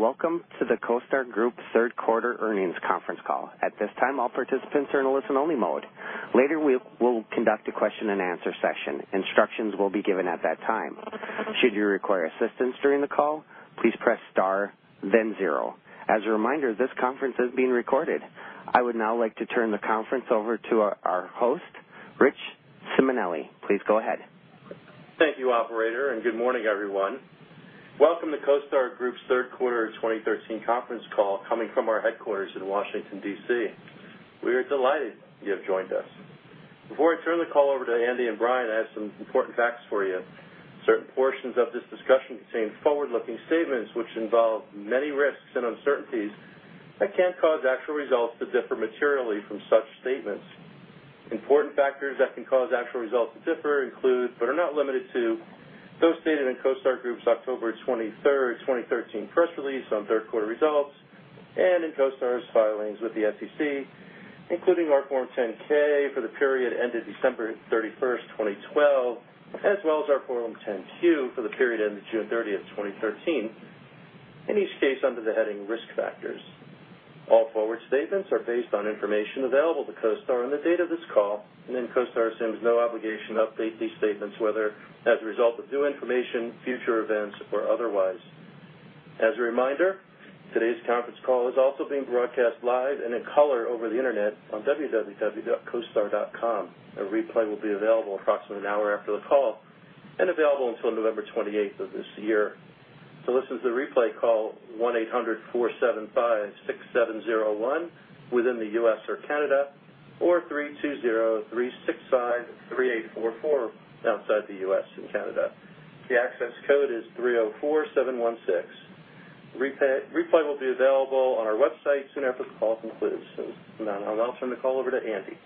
Welcome to the CoStar Group third quarter earnings conference call. At this time, all participants are in listen-only mode. Later, we will conduct a question-and-answer session. Instructions will be given at that time. Should you require assistance during the call, please press star then zero. As a reminder, this conference is being recorded. I would now like to turn the conference over to our host, Richard Simonelli. Please go ahead. Thank you, operator. Good morning, everyone. Welcome to CoStar Group's third quarter 2013 conference call coming from our headquarters in Washington, D.C. We are delighted you have joined us. Before I turn the call over to Andy and Brian, I have some important facts for you. Certain portions of this discussion contain forward-looking statements which involve many risks and uncertainties that can cause actual results to differ materially from such statements. Important factors that can cause actual results to differ include, but are not limited to, those stated in CoStar Group's October 23rd, 2013 press release on third-quarter results and in CoStar's filings with the SEC, including our Form 10-K for the period ended December 31st, 2012, as well as our Form 10-Q for the period ended June 30th, 2013, in each case under the heading Risk Factors. All forward statements are based on information available to CoStar on the date of this call. CoStar assumes no obligation to update these statements, whether as a result of new information, future events, or otherwise. As a reminder, today's conference call is also being broadcast live and in color over the internet on www.costar.com. A replay will be available approximately an hour after the call and available until November 28th of this year. To listen to the replay, call 1-800-475-6701 within the U.S. or Canada or 320-365-3844 outside the U.S. and Canada. The access code is 304716. Replay will be available on our website soon after the call concludes. I'll turn the call over to Andy.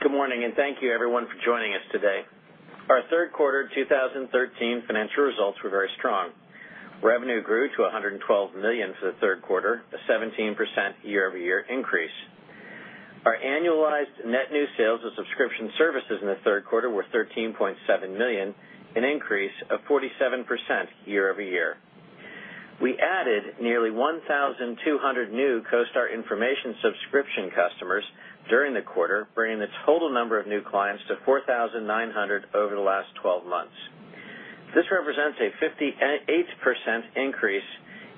Good morning. Thank you, everyone, for joining us today. Our third quarter 2013 financial results were very strong. Revenue grew to $112 million for the third quarter, a 17% year-over-year increase. Our annualized net new sales of subscription services in the third quarter were $13.7 million, an increase of 47% year-over-year. We added nearly 1,200 new CoStar information subscription customers during the quarter, bringing the total number of new clients to 4,900 over the last 12 months. This represents a 58% increase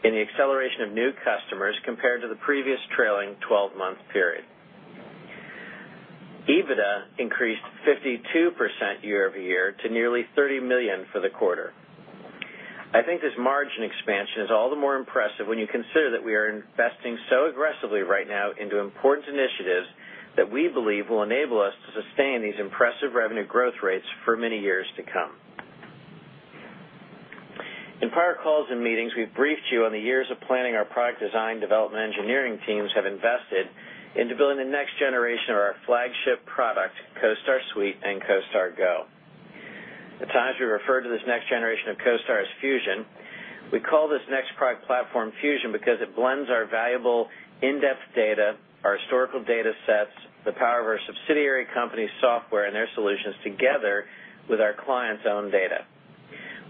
in the acceleration of new customers compared to the previous trailing 12-month period. EBITDA increased 52% year-over-year to nearly $30 million for the quarter. I think this margin expansion is all the more impressive when you consider that we are investing so aggressively right now into important initiatives that we believe will enable us to sustain these impressive revenue growth rates for many years to come. In prior calls and meetings, we've briefed you on the years of planning our product design development engineering teams have invested into building the next generation of our flagship product, CoStar Suite and CoStar Go. At times, we refer to this next generation of CoStar as Fusion. We call this next product platform Fusion because it blends our valuable in-depth data, our historical datasets, the power of our subsidiary company software, and their solutions together with our clients' own data.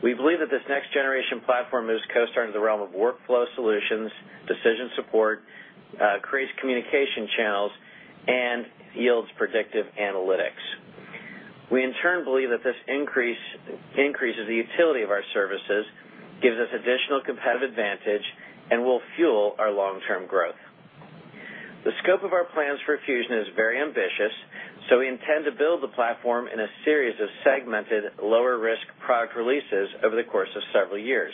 We believe that this next-generation platform moves CoStar into the realm of workflow solutions, decision support, creates communication channels, and yields predictive analytics. We, in turn, believe that this increases the utility of our services, gives us additional competitive advantage, and will fuel our long-term growth. The scope of our plans for Fusion is very ambitious. We intend to build the platform in a series of segmented, lower-risk product releases over the course of several years.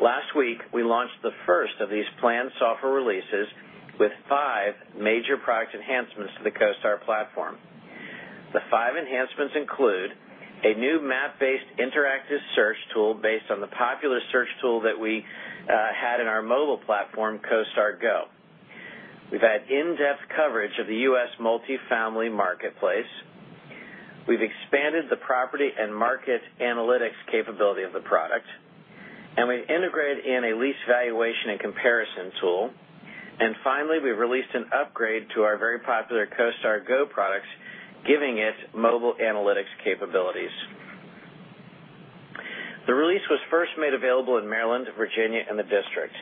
Last week, we launched the first of these planned software releases with five major product enhancements to the CoStar platform. The five enhancements include a new map-based interactive search tool based on the popular search tool that we had in our mobile platform, CoStar Go. We've had in-depth coverage of the U.S. multifamily marketplace. We've expanded the property and market analytics capability of the product, and we've integrated in a lease valuation and comparison tool. Finally, we've released an upgrade to our very popular CoStar Go products, giving it mobile analytics capabilities. The release was first made available in Maryland, Virginia, and the District.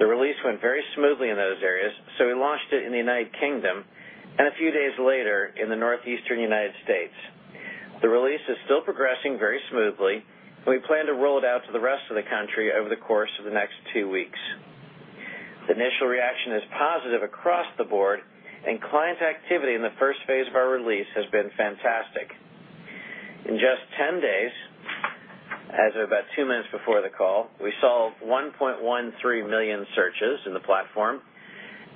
The release went very smoothly in those areas. We launched it in the U.K. and a few days later in the Northeastern U.S. The release is still progressing very smoothly. We plan to roll it out to the rest of the country over the course of the next two weeks. The initial reaction is positive across the board. Client activity in the first phase of our release has been fantastic. In just 10 days, as of about two minutes before the call, we saw 1.13 million searches in the platform,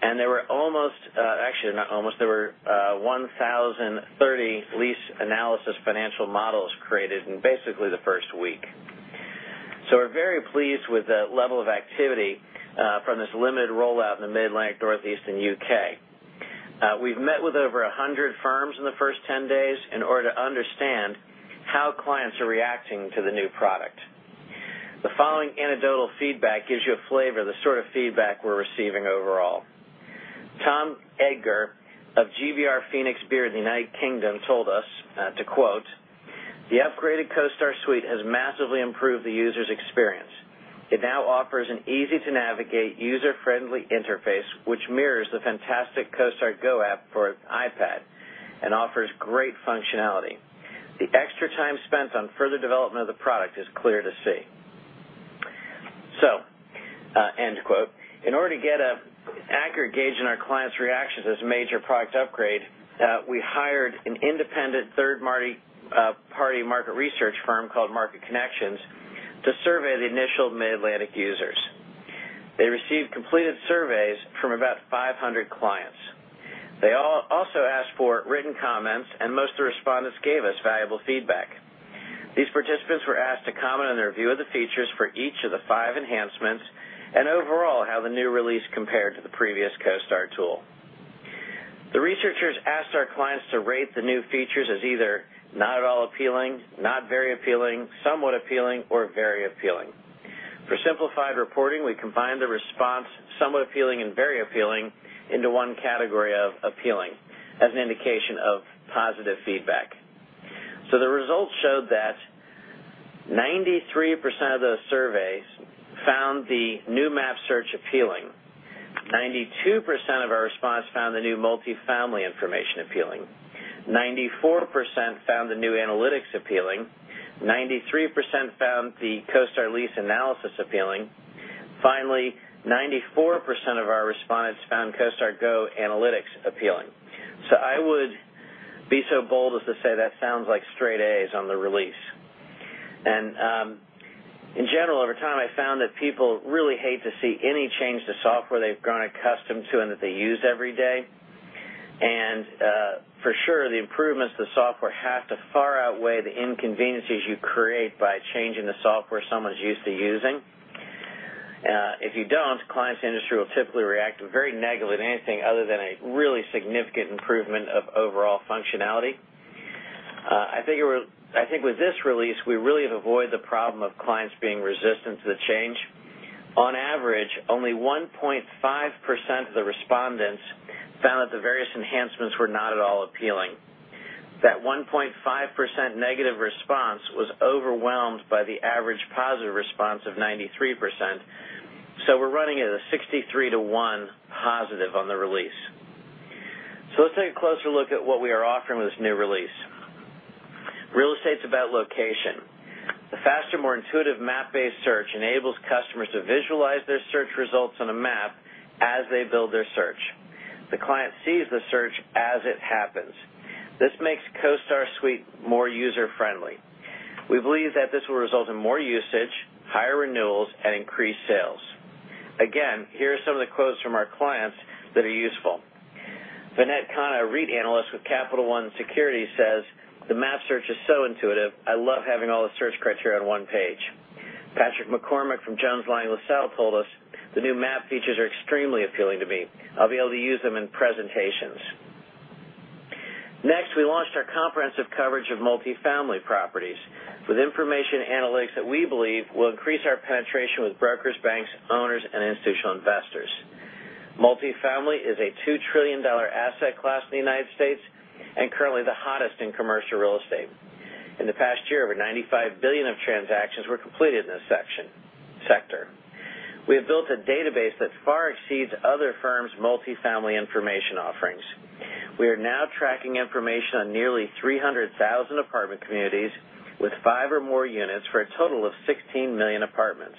and there were 1,030 lease analysis financial models created in basically the first week. We're very pleased with the level of activity from this limited rollout in the Mid-Atlantic, Northeast, and U.K. We've met with over 100 firms in the first 10 days in order to understand how clients are reacting to the new product. The following anecdotal feedback gives you a flavor of the sort of feedback we're receiving overall. Edgar of GBR Phoenix Beard in the U.K. told us, to quote, "The upgraded CoStar Suite has massively improved the user's experience. It now offers an easy-to-navigate, user-friendly interface, which mirrors the fantastic CoStar Go app for iPad and offers great functionality. The extra time spent on further development of the product is clear to see." End quote. In order to get an accurate gauge on our clients' reactions to this major product upgrade, we hired an independent third-party market research firm called Market Connections to survey the initial Mid-Atlantic users. They received completed surveys from about 500 clients. They also asked for written comments. Most of the respondents gave us valuable feedback. These participants were asked to comment on their view of the features for each of the five enhancements and overall how the new release compared to the previous CoStar tool. The researchers asked our clients to rate the new features as either not at all appealing, not very appealing, somewhat appealing, or very appealing. For simplified reporting, we combined the response somewhat appealing and very appealing into one category of appealing as an indication of positive feedback. The results showed that 93% of those surveys found the new map search appealing. 92% of our respondents found the new multifamily information appealing. 94% found the new analytics appealing. 93% found the CoStar Lease Analysis appealing. Finally, 94% of our respondents found CoStar Go analytics appealing. I would be so bold as to say that sounds like straight A's on the release. In general, over time, I found that people really hate to see any change to software they've grown accustomed to and that they use every day. For sure, the improvements to the software have to far outweigh the inconveniences you create by changing the software someone's used to using. If you don't, clients in the industry will typically react very negatively to anything other than a really significant improvement of overall functionality. I think with this release, we really have avoided the problem of clients being resistant to the change. On average, only 1.5% of the respondents found that the various enhancements were not at all appealing. That 1.5% negative response was overwhelmed by the average positive response of 93%. We're running at a 63 to 1 positive on the release. Let's take a closer look at what we are offering with this new release. Real estate's about location. The faster, more intuitive map-based search enables customers to visualize their search results on a map as they build their search. The client sees the search as it happens. This makes CoStar Suite more user-friendly. We believe that this will result in more usage, higher renewals, and increased sales. Again, here are some of the quotes from our clients that are useful. Vinay Khanna, REIT analyst with Capital One Securities, says, "The map search is so intuitive. I love having all the search criteria on one page." Patrick McCormick from Jones Lang LaSalle told us, "The new map features are extremely appealing to me. I'll be able to use them in presentations." Next, we launched our comprehensive coverage of multifamily properties with information analytics that we believe will increase our penetration with brokers, banks, owners, and institutional investors. Multifamily is a $2 trillion asset class in the U.S. and currently the hottest in commercial real estate. In the past year, over $95 billion of transactions were completed in this sector. We have built a database that far exceeds other firms' multifamily information offerings. We are now tracking information on nearly 300,000 apartment communities with 5 or more units for a total of 16 million apartments.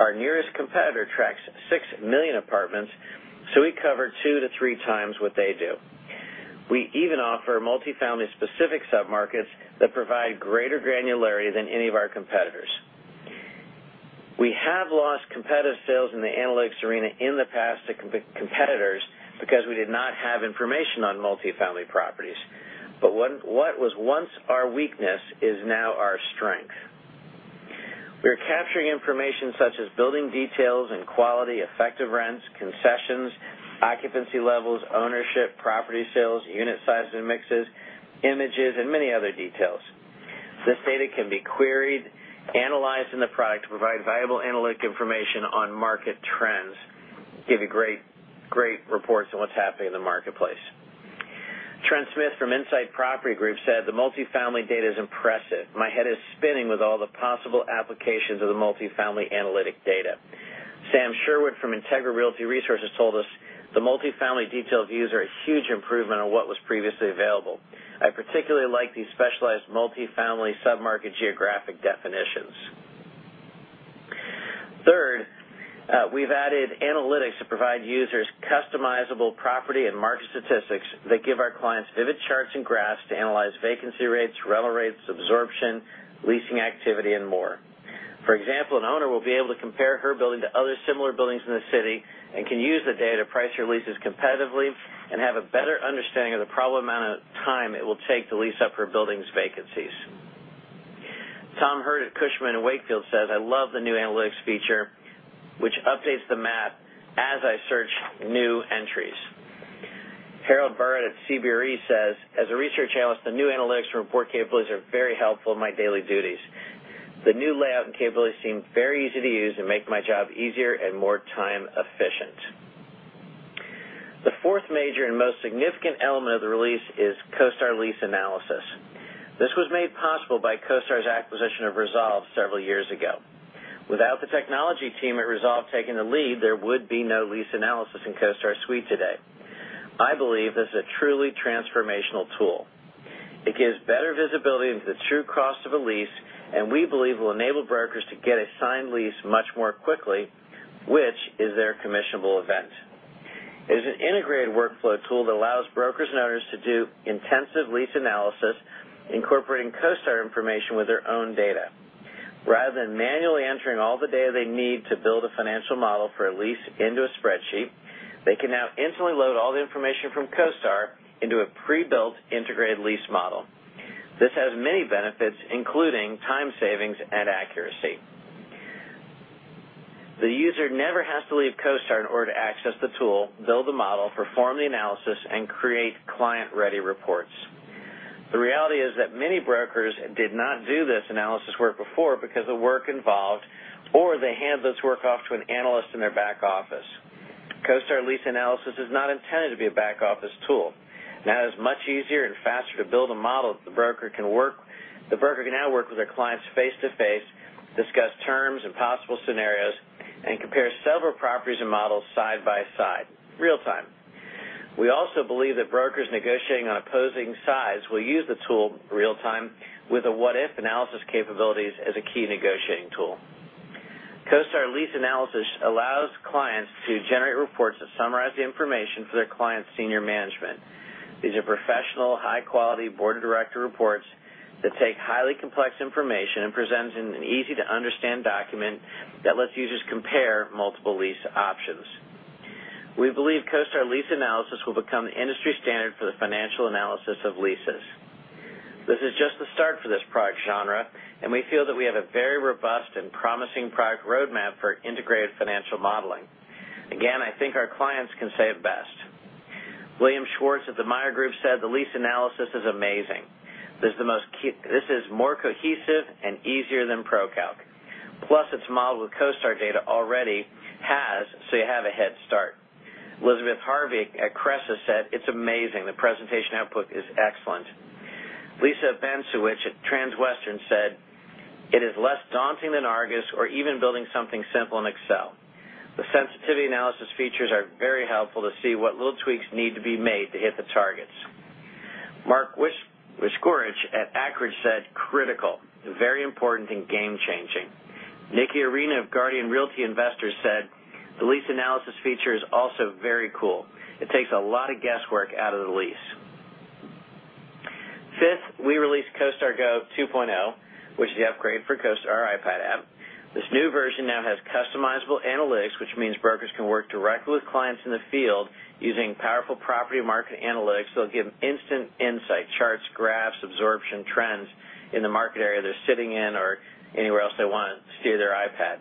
Our nearest competitor tracks 6 million apartments, so we cover 2 to 3 times what they do. We even offer multifamily-specific submarkets that provide greater granularity than any of our competitors. We have lost competitive sales in the analytics arena in the past to competitors because we did not have information on multifamily properties. What was once our weakness is now our strength. We are capturing information such as building details and quality effective rents, concessions, occupancy levels, ownership, property sales, unit sizes and mixes, images, and many other details. This data can be queried, analyzed in the product to provide valuable analytic information on market trends, give you great reports on what's happening in the marketplace. Trent Smith from Insight Property Group said, "The multifamily data is impressive. My head is spinning with all the possible applications of the multifamily analytic data." Sam Sherwood from Integra Realty Resources told us, "The multifamily detailed views are a huge improvement on what was previously available. I particularly like the specialized multifamily submarket geographic definitions." Third, we've added analytics that provide users customizable property and market statistics that give our clients vivid charts and graphs to analyze vacancy rates, rental rates, absorption, leasing activity, and more. For example, an owner will be able to compare her building to other similar buildings in the city and can use the data to price her leases competitively and have a better understanding of the amount of time it will take to lease up her building's vacancies. Tom Hurt at Cushman & Wakefield says, "I love the new analytics feature, which updates the map as I search new entries." Harold Barrett at CBRE says, "As a research analyst, the new analytics and report capabilities are very helpful in my daily duties." The new layout and capability seem very easy to use and make my job easier and more time efficient. The fourth major and most significant element of the release is CoStar Lease Analysis. This was made possible by CoStar's acquisition of Resolve several years ago. Without the technology team at Resolve taking the lead, there would be no lease analysis in CoStar Suite today. I believe this is a truly transformational tool. It gives better visibility into the true cost of a lease, and we believe will enable brokers to get a signed lease much more quickly, which is their commissionable event. It is an integrated workflow tool that allows brokers and owners to do intensive lease analysis, incorporating CoStar information with their own data. Rather than manually entering all the data they need to build a financial model for a lease into a spreadsheet, they can now instantly load all the information from CoStar into a pre-built integrated lease model. This has many benefits, including time savings and accuracy. The user never has to leave CoStar in order to access the tool, build the model, perform the analysis, and create client-ready reports. The reality is that many brokers did not do this analysis work before because of work involved, or they hand this work off to an analyst in their back office. CoStar Lease Analysis is not intended to be a back-office tool. Now it is much easier and faster to build a model that the broker can now work with their clients face-to-face, discuss terms and possible scenarios, and compare several properties and models side by side, real-time. We also believe that brokers negotiating on opposing sides will use the tool real-time with a what-if analysis capabilities as a key negotiating tool. CoStar Lease Analysis allows clients to generate reports that summarize the information for their client's senior management. These are professional, high-quality board of director reports that take highly complex information and present it in an easy-to-understand document that lets users compare multiple lease options. We believe CoStar Lease Analysis will become the industry standard for the financial analysis of leases. This is just the start for this product genre, and we feel that we have a very robust and promising product roadmap for integrated financial modeling. Again, I think our clients can say it best. William Schwartz of The Meyer Group said, "The lease analysis is amazing. This is more cohesive and easier than ProCalc. Plus it's modeled with CoStar data already has, so you have a head start." Elizabeth Harvey at Cresa said, "It's amazing. The presentation output is excellent." Lisa Bovermann at Transwestern said, "It is less daunting than ARGUS or even building something simple in Excel. The sensitivity analysis features are very helpful to see what little tweaks need to be made to hit the targets. Mark Witschorik at Akridge said, "Critical, very important, and game-changing." Nikki Arena of Guardian Realty Investors said, "The lease analysis feature is also very cool. It takes a lot of guesswork out of the lease." Fifth, we released CoStar Go 2.0, which is the upgrade for CoStar iPad app. This new version now has customizable analytics, which means brokers can work directly with clients in the field using powerful property market analytics that'll give instant insight, charts, graphs, absorption trends in the market area they're sitting in or anywhere else they want to steer their iPad.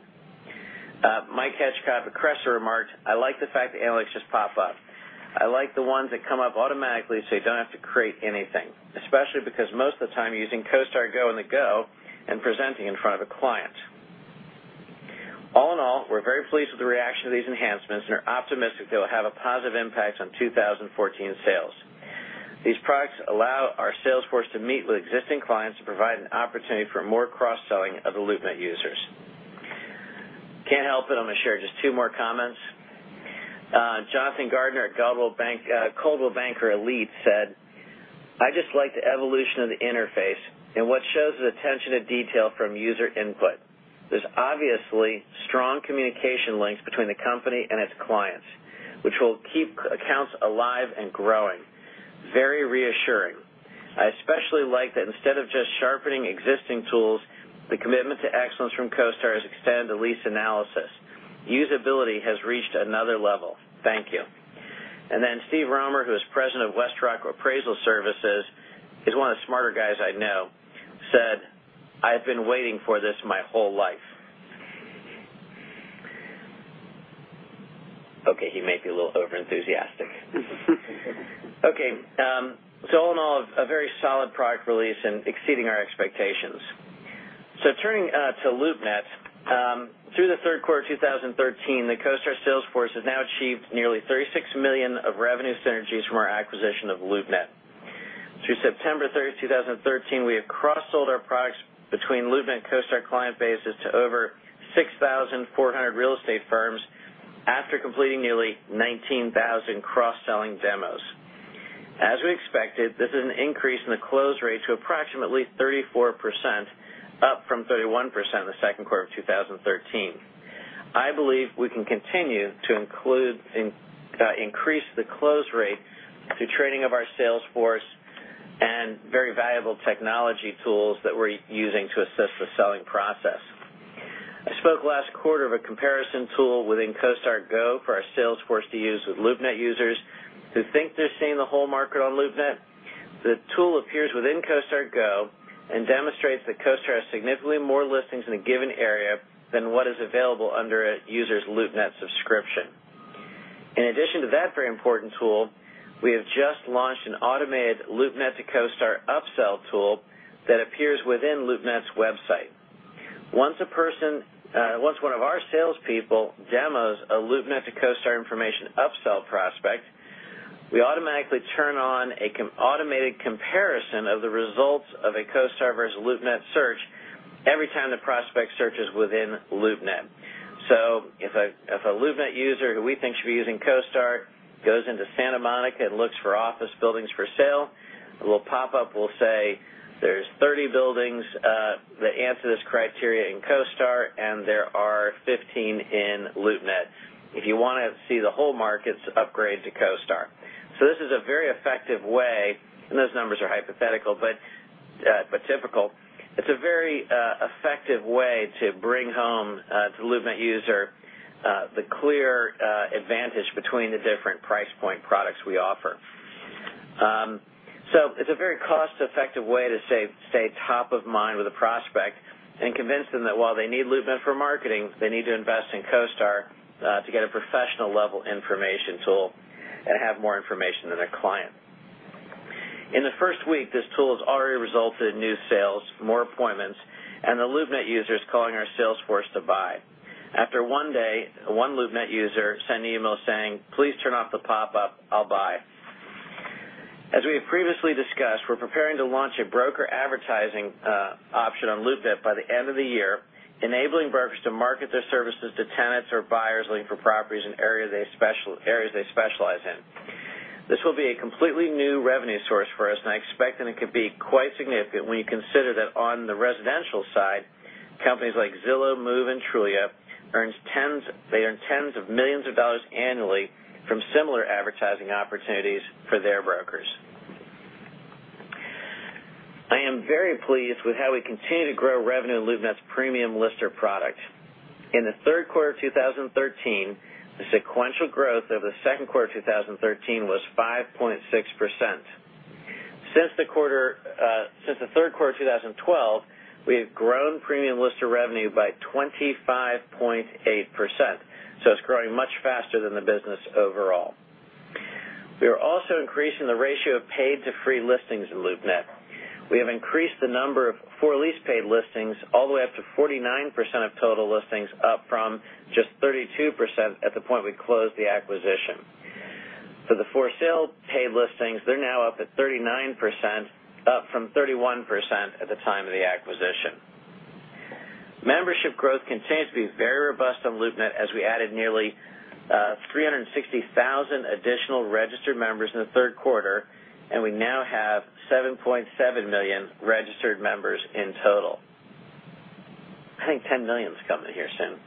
Mike Hetchkop of Cresa remarked, "I like the fact the analytics just pop up. I like the ones that come up automatically, so you don't have to create anything, especially because most of the time you're using CoStar Go on the go and presenting in front of a client. All in all, we're very pleased with the reaction to these enhancements and are optimistic they will have a positive impact on 2014 sales. These products allow our sales force to meet with existing clients to provide an opportunity for more cross-selling of the LoopNet users. Can't help it, I'm going to share just two more comments. Jonathan Gardner at Coldwell Banker Elite said, "I just like the evolution of the interface and what shows the attention to detail from user input. There's obviously strong communication links between the company and its clients, which will keep accounts alive and growing. Very reassuring. I especially like that instead of just sharpening existing tools, the commitment to excellence from CoStar has extended to lease analysis. Usability has reached another level. Thank you." And then Steve Roemer, who is President of Westrock Appraisal Services, he's one of the smarter guys I know, said, "I've been waiting for this my whole life." Okay, he may be a little overenthusiastic. Okay, all in all, a very solid product release and exceeding our expectations. Turning to LoopNet. Through the third quarter 2013, the CoStar sales force has now achieved nearly $36 million of revenue synergies from our acquisition of LoopNet. Through September 3rd, 2013, we have cross-sold our products between LoopNet CoStar client bases to over 6,400 real estate firms after completing nearly 19,000 cross-selling demos. As we expected, this is an increase in the close rate to approximately 34%, up from 31% in the second quarter of 2013. I believe we can continue to increase the close rate through training of our sales force and very valuable technology tools that we're using to assist the selling process. I spoke last quarter of a comparison tool within CoStar Go for our sales force to use with LoopNet users who think they're seeing the whole market on LoopNet. The tool appears within CoStar Go and demonstrates that CoStar has significantly more listings in a given area than what is available under a user's LoopNet subscription. In addition to that very important tool, we have just launched an automated LoopNet to CoStar upsell tool that appears within LoopNet's website. If a LoopNet user who we think should be using CoStar goes into Santa Monica and looks for office buildings for sale, a little popup will say, "There's 30 buildings that answer this criteria in CoStar, and there are 15 in LoopNet. If you want to see the whole markets, upgrade to CoStar." This is a very effective way, and those numbers are hypothetical, but typical. It's a very effective way to bring home to the LoopNet user the clear advantage between the different price point products we offer. It's a very cost-effective way to stay top of mind with a prospect and convince them that while they need LoopNet for marketing, they need to invest in CoStar to get a professional-level information tool and have more information than their client. In the first week, this tool has already resulted in new sales, more appointments, and the LoopNet users calling our sales force to buy. After one day, one LoopNet user sent an email saying, "Please turn off the popup, I'll buy." As we have previously discussed, we're preparing to launch a broker advertising option on LoopNet by the end of the year, enabling brokers to market their services to tenants or buyers looking for properties in areas they specialize in. This will be a completely new revenue source for us, and I expect that it could be quite significant when you consider that on the residential side, companies like Zillow, Move, and Trulia earn tens of millions of dollars annually from similar advertising opportunities for their brokers. I am very pleased with how we continue to grow revenue in LoopNet's Premium Lister product. In the third quarter of 2013, the sequential growth over the second quarter of 2013 was 5.6%. Since the third quarter of 2012, we have grown Premium Lister revenue by 25.8%, so it's growing much faster than the business overall. We are also increasing the ratio of paid to free listings in LoopNet. We have increased the number of for-lease paid listings all the way up to 49% of total listings, up from just 32% at the point we closed the acquisition. For the for-sale paid listings, they're now up at 39%, up from 31% at the time of the acquisition. Membership growth continues to be very robust on LoopNet, as we added nearly 360,000 additional registered members in the third quarter, and we now have 7.7 million registered members in total. I think 10 million's coming here soon.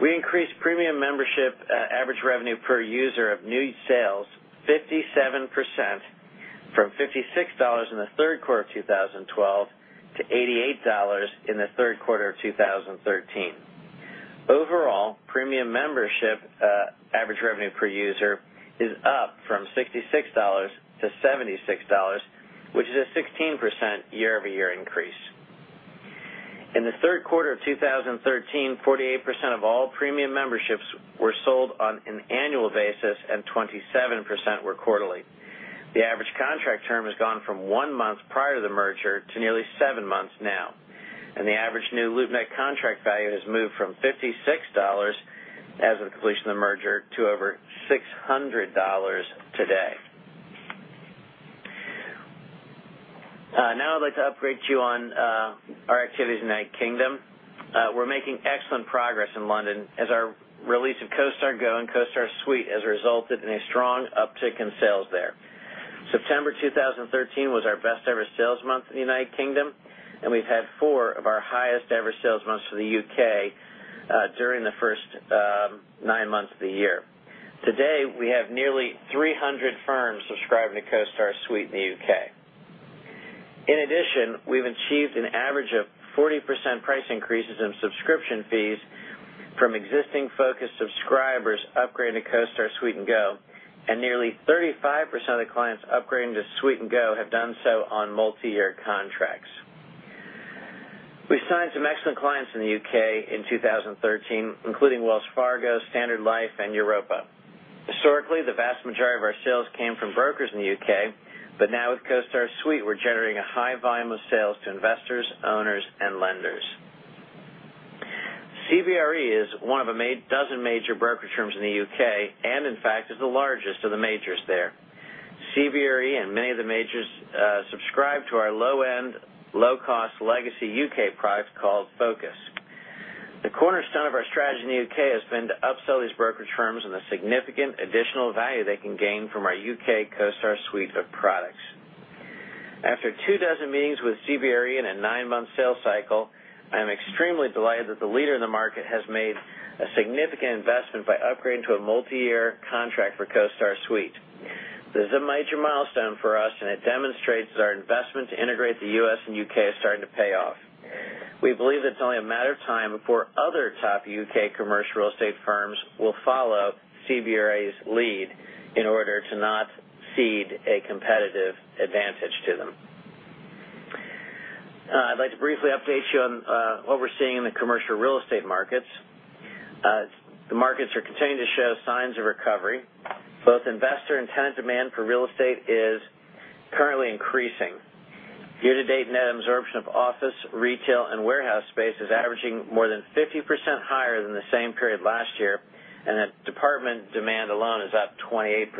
We increased Premium Membership average revenue per user of new sales 57%, from $56 in the third quarter of 2012 to $88 in the third quarter of 2013. Overall, Premium Membership average revenue per user is up from $66 to $76, which is a 16% year-over-year increase. In the third quarter of 2013, 48% of all Premium Memberships were sold on an annual basis, and 27% were quarterly. The average contract term has gone from one month prior to the merger to nearly seven months now, and the average new LoopNet contract value has moved from $56 as of the completion of the merger, to over $600 today. I'd like to update you on our activities in the United Kingdom. We're making excellent progress in London as our release of CoStar Go and CoStar Suite has resulted in a strong uptick in sales there. September 2013 was our best-ever sales month in the United Kingdom, and we've had four of our highest-ever sales months for the U.K. during the first nine months of the year. Today, we have nearly 300 firms subscribed to CoStar Suite in the U.K. We've achieved an average of 40% price increases in subscription fees from existing Focus subscribers upgrading to CoStar Suite and Go, and nearly 35% of the clients upgrading to Suite and Go have done so on multi-year contracts. We've signed some excellent clients in the U.K. in 2013, including Wells Fargo, Standard Life, and Europa. Historically, the vast majority of our sales came from brokers in the U.K., but now with CoStar Suite, we're generating a high volume of sales to investors, owners, and lenders. CBRE is one of a dozen major brokerage firms in the U.K. and, in fact, is the largest of the majors there. CBRE and many of the majors subscribe to our low-end, low-cost legacy U.K. product called Focus. The cornerstone of our strategy in the U.K. has been to upsell these brokerage firms on the significant additional value they can gain from our U.K. CoStar Suite of products. After two dozen meetings with CBRE and a nine-month sales cycle, I am extremely delighted that the leader in the market has made a significant investment by upgrading to a multi-year contract for CoStar Suite. This is a major milestone for us, and it demonstrates that our investment to integrate the U.S. and U.K. is starting to pay off. We believe it's only a matter of time before other top U.K. commercial real estate firms will follow CBRE's lead in order to not cede a competitive advantage to them. I'd like to briefly update you on what we're seeing in the commercial real estate markets. The markets are continuing to show signs of recovery. Both investor and tenant demand for real estate is currently increasing. Year-to-date net absorption of office, retail, and warehouse space is averaging more than 50% higher than the same period last year, and apartment demand alone is up 28%.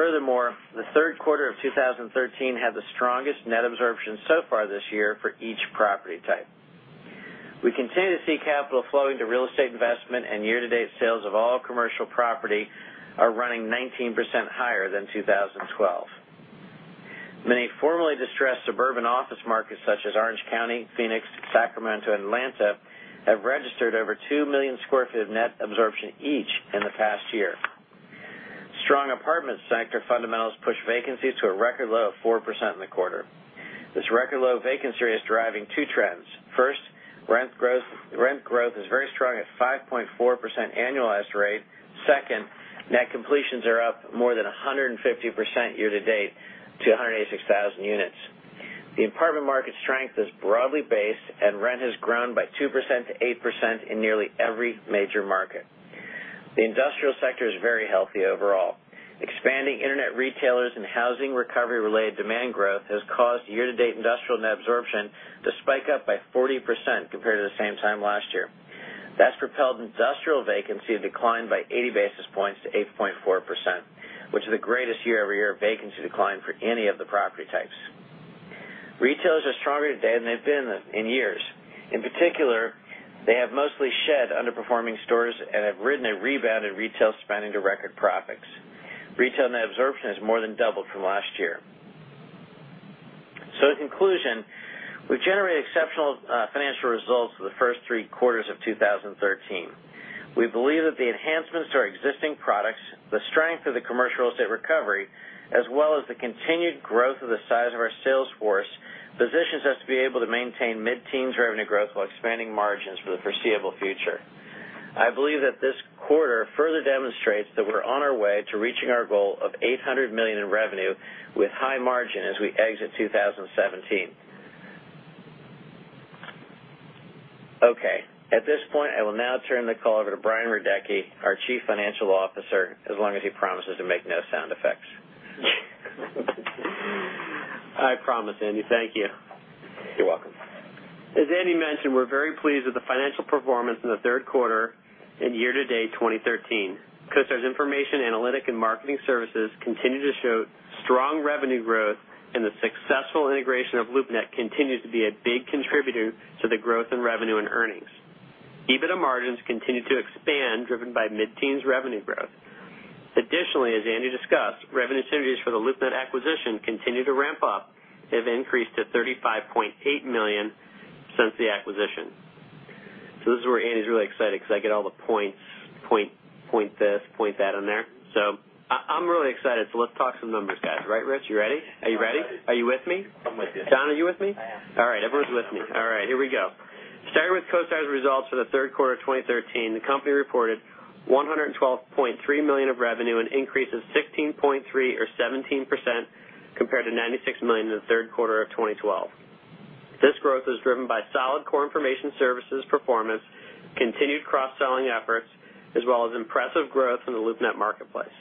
Furthermore, the third quarter of 2013 had the strongest net absorption so far this year for each property type. We continue to see capital flowing to real estate investment, and year-to-date sales of all commercial property are running 19% higher than 2012. Many formerly distressed suburban office markets, such as Orange County, Phoenix, Sacramento, and Atlanta, have registered over 2 million square feet of net absorption each in the past year. Strong apartment sector fundamentals pushed vacancies to a record low of 4% in the quarter. This record-low vacancy rate is driving two trends. First, rent growth is very strong at 5.4% annualized rate. Second, net completions are up more than 150% year-to-date to 186,000 units. The apartment market strength is broadly based, and rent has grown by 2% to 8% in nearly every major market. The industrial sector is very healthy overall. Expanding internet retailers and housing recovery-related demand growth has caused year-to-date industrial net absorption to spike up by 40% compared to the same time last year. That's propelled industrial vacancy to decline by 80 basis points to 8.4%, which is the greatest year-over-year vacancy decline for any of the property types. Retailers are stronger today than they've been in years. In particular, they have mostly shed underperforming stores and have ridden a rebounded retail spending to record profits. Retail net absorption has more than doubled from last year. In conclusion, we've generated exceptional financial results for the first three quarters of 2013. We believe that the enhancements to our existing products, the strength of the commercial real estate recovery, as well as the continued growth of the size of our sales force, positions us to be able to maintain mid-teens revenue growth while expanding margins for the foreseeable future. I believe that this quarter further demonstrates that we're on our way to reaching our goal of $800 million in revenue with high margin as we exit 2017. At this point, I will now turn the call over to Brian Radecki, our Chief Financial Officer, as long as he promises to make no sound effects. I promise, Andy. Thank you. You're welcome. As Andy mentioned, we're very pleased with the financial performance in the third quarter and year-to-date 2013. CoStar's information analytic and marketing services continue to show strong revenue growth, and the successful integration of LoopNet continues to be a big contributor to the growth in revenue and earnings. EBITDA margins continue to expand, driven by mid-teens revenue growth. Additionally, as Andy discussed, revenue synergies for the LoopNet acquisition continue to ramp up and have increased to $35.8 million since the acquisition. This is where Andy's really excited because I get all the points, point this, point that in there. I'm really excited. Let's talk some numbers, guys. Right, Rich? You ready? Are you ready? Are you with me? I'm with you. Don, are you with me? I am. All right. Everyone's with me. All right. Here we go. Starting with CoStar's results for the third quarter of 2013, the company reported $112.3 million of revenue, an increase of 16.3% or 17%, compared to $96 million in the third quarter of 2012. This growth is driven by solid core information services performance, continued cross-selling efforts, as well as impressive growth in the LoopNet marketplace.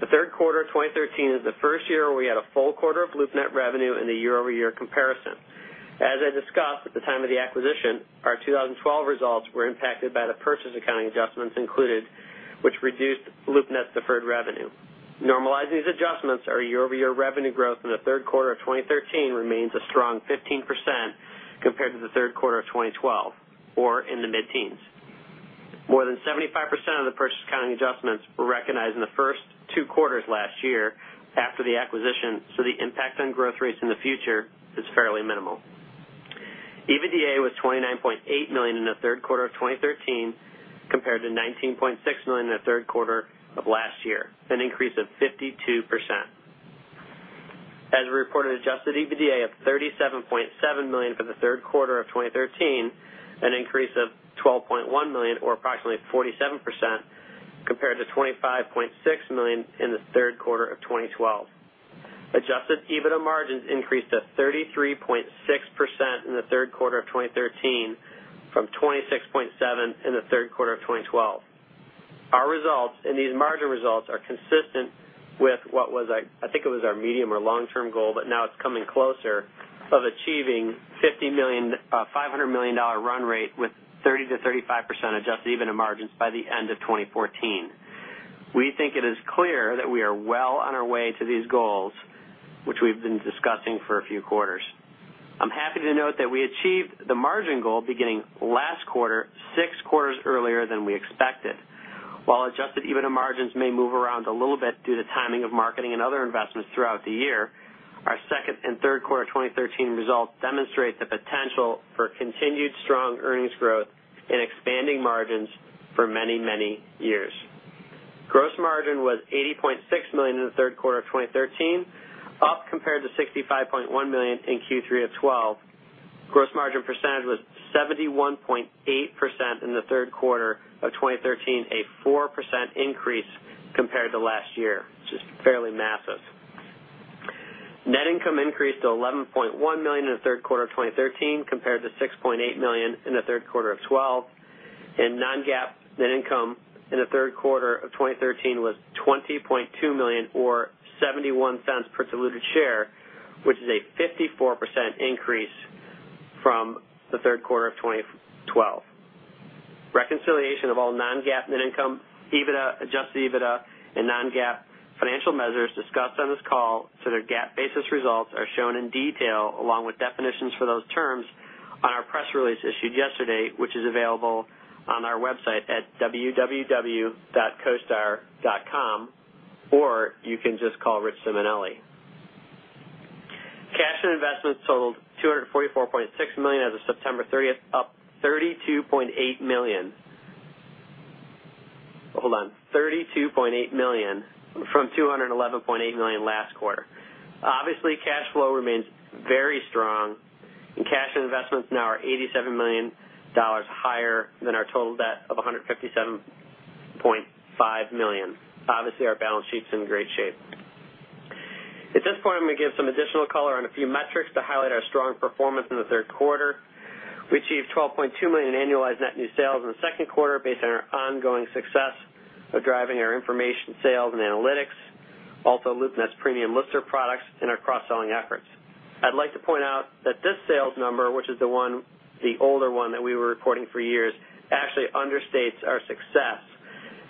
The third quarter 2013 is the first year where we had a full quarter of LoopNet revenue in the year-over-year comparison. As I discussed at the time of the acquisition, our 2012 results were impacted by the purchase accounting adjustments included, which reduced LoopNet's deferred revenue. Normalizing these adjustments, our year-over-year revenue growth in the third quarter of 2013 remains a strong 15% compared to the third quarter of 2012, or in the mid-teens. More than 75% of the purchase accounting adjustments were recognized in the first two quarters last year after the acquisition. The impact on growth rates in the future is fairly minimal. EBITDA was $29.8 million in the third quarter of 2013, compared to $19.6 million in the third quarter of last year, an increase of 52%. As reported, adjusted EBITDA of $37.7 million for the third quarter of 2013, an increase of $12.1 million or approximately 47%, compared to $25.6 million in the third quarter of 2012. Adjusted EBITDA margins increased to 33.6% in the third quarter of 2013 from 26.7% in the third quarter of 2012. Our results and these margin results are consistent with what was, I think it was our medium or long-term goal. Now it's coming closer of achieving $500 million run rate with 30%-35% adjusted EBITDA margins by the end of 2014. We think it is clear that we are well on our way to these goals, which we've been discussing for a few quarters. I'm happy to note that we achieved the margin goal beginning last quarter, six quarters earlier than we expected. While adjusted EBITDA margins may move around a little bit due to timing of marketing and other investments throughout the year, our second and third quarter 2013 results demonstrate the potential for continued strong earnings growth and expanding margins for many, many years. Gross margin was $80.6 million in the third quarter of 2013, up compared to $65.1 million in Q3 of 2012. Gross margin percentage was 71.8% in the third quarter of 2013, a 4% increase compared to last year. Which is fairly massive. Net income increased to $11.1 million in the third quarter of 2013, compared to $6.8 million in the third quarter of 2012, and non-GAAP net income in the third quarter of 2013 was $20.2 million or $0.71 per diluted share, which is a 54% increase from the third quarter of 2012. Reconciliation of all non-GAAP net income, EBITDA, adjusted EBITDA, and non-GAAP financial measures discussed on this call to their GAAP-basis results are shown in detail, along with definitions for those terms on our press release issued yesterday, which is available on our website at www.costar.com, or you can just call Rich Simonelli. Cash and investments totaled $244.6 million as of September 30th, up $32.8 million. Hold on, $32.8 million from $211.8 million last quarter. Obviously, cash flow remains very strong, and cash and investments now are $87 million higher than our total debt of $157.5 million. Obviously, our balance sheet's in great shape. At this point, I'm going to give some additional color on a few metrics to highlight our strong performance in the third quarter. We achieved $12.2 million in annualized net new sales in the second quarter based on our ongoing success of driving our information sales and analytics, also LoopNet's Premium Lister products, and our cross-selling efforts. I'd like to point out that this sales number, which is the older one that we were reporting for years, actually understates our success.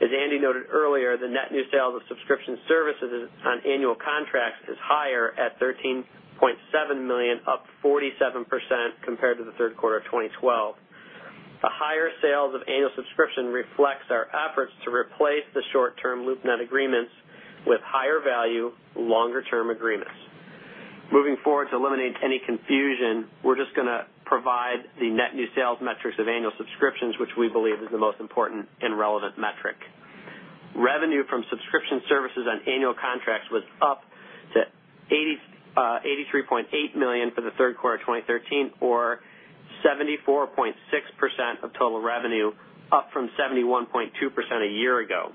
As Andy noted earlier, the net new sales of subscription services on annual contracts is higher at $13.7 million, up 47% compared to the third quarter of 2012. The higher sales of annual subscription reflects our efforts to replace the short-term LoopNet agreements with higher value, longer-term agreements. Moving forward, to eliminate any confusion, we're just going to provide the net new sales metrics of annual subscriptions, which we believe is the most important and relevant metric. Revenue from subscription services on annual contracts was up to $83.8 million for the third quarter of 2013, or 74.6% of total revenue, up from 71.2% a year ago.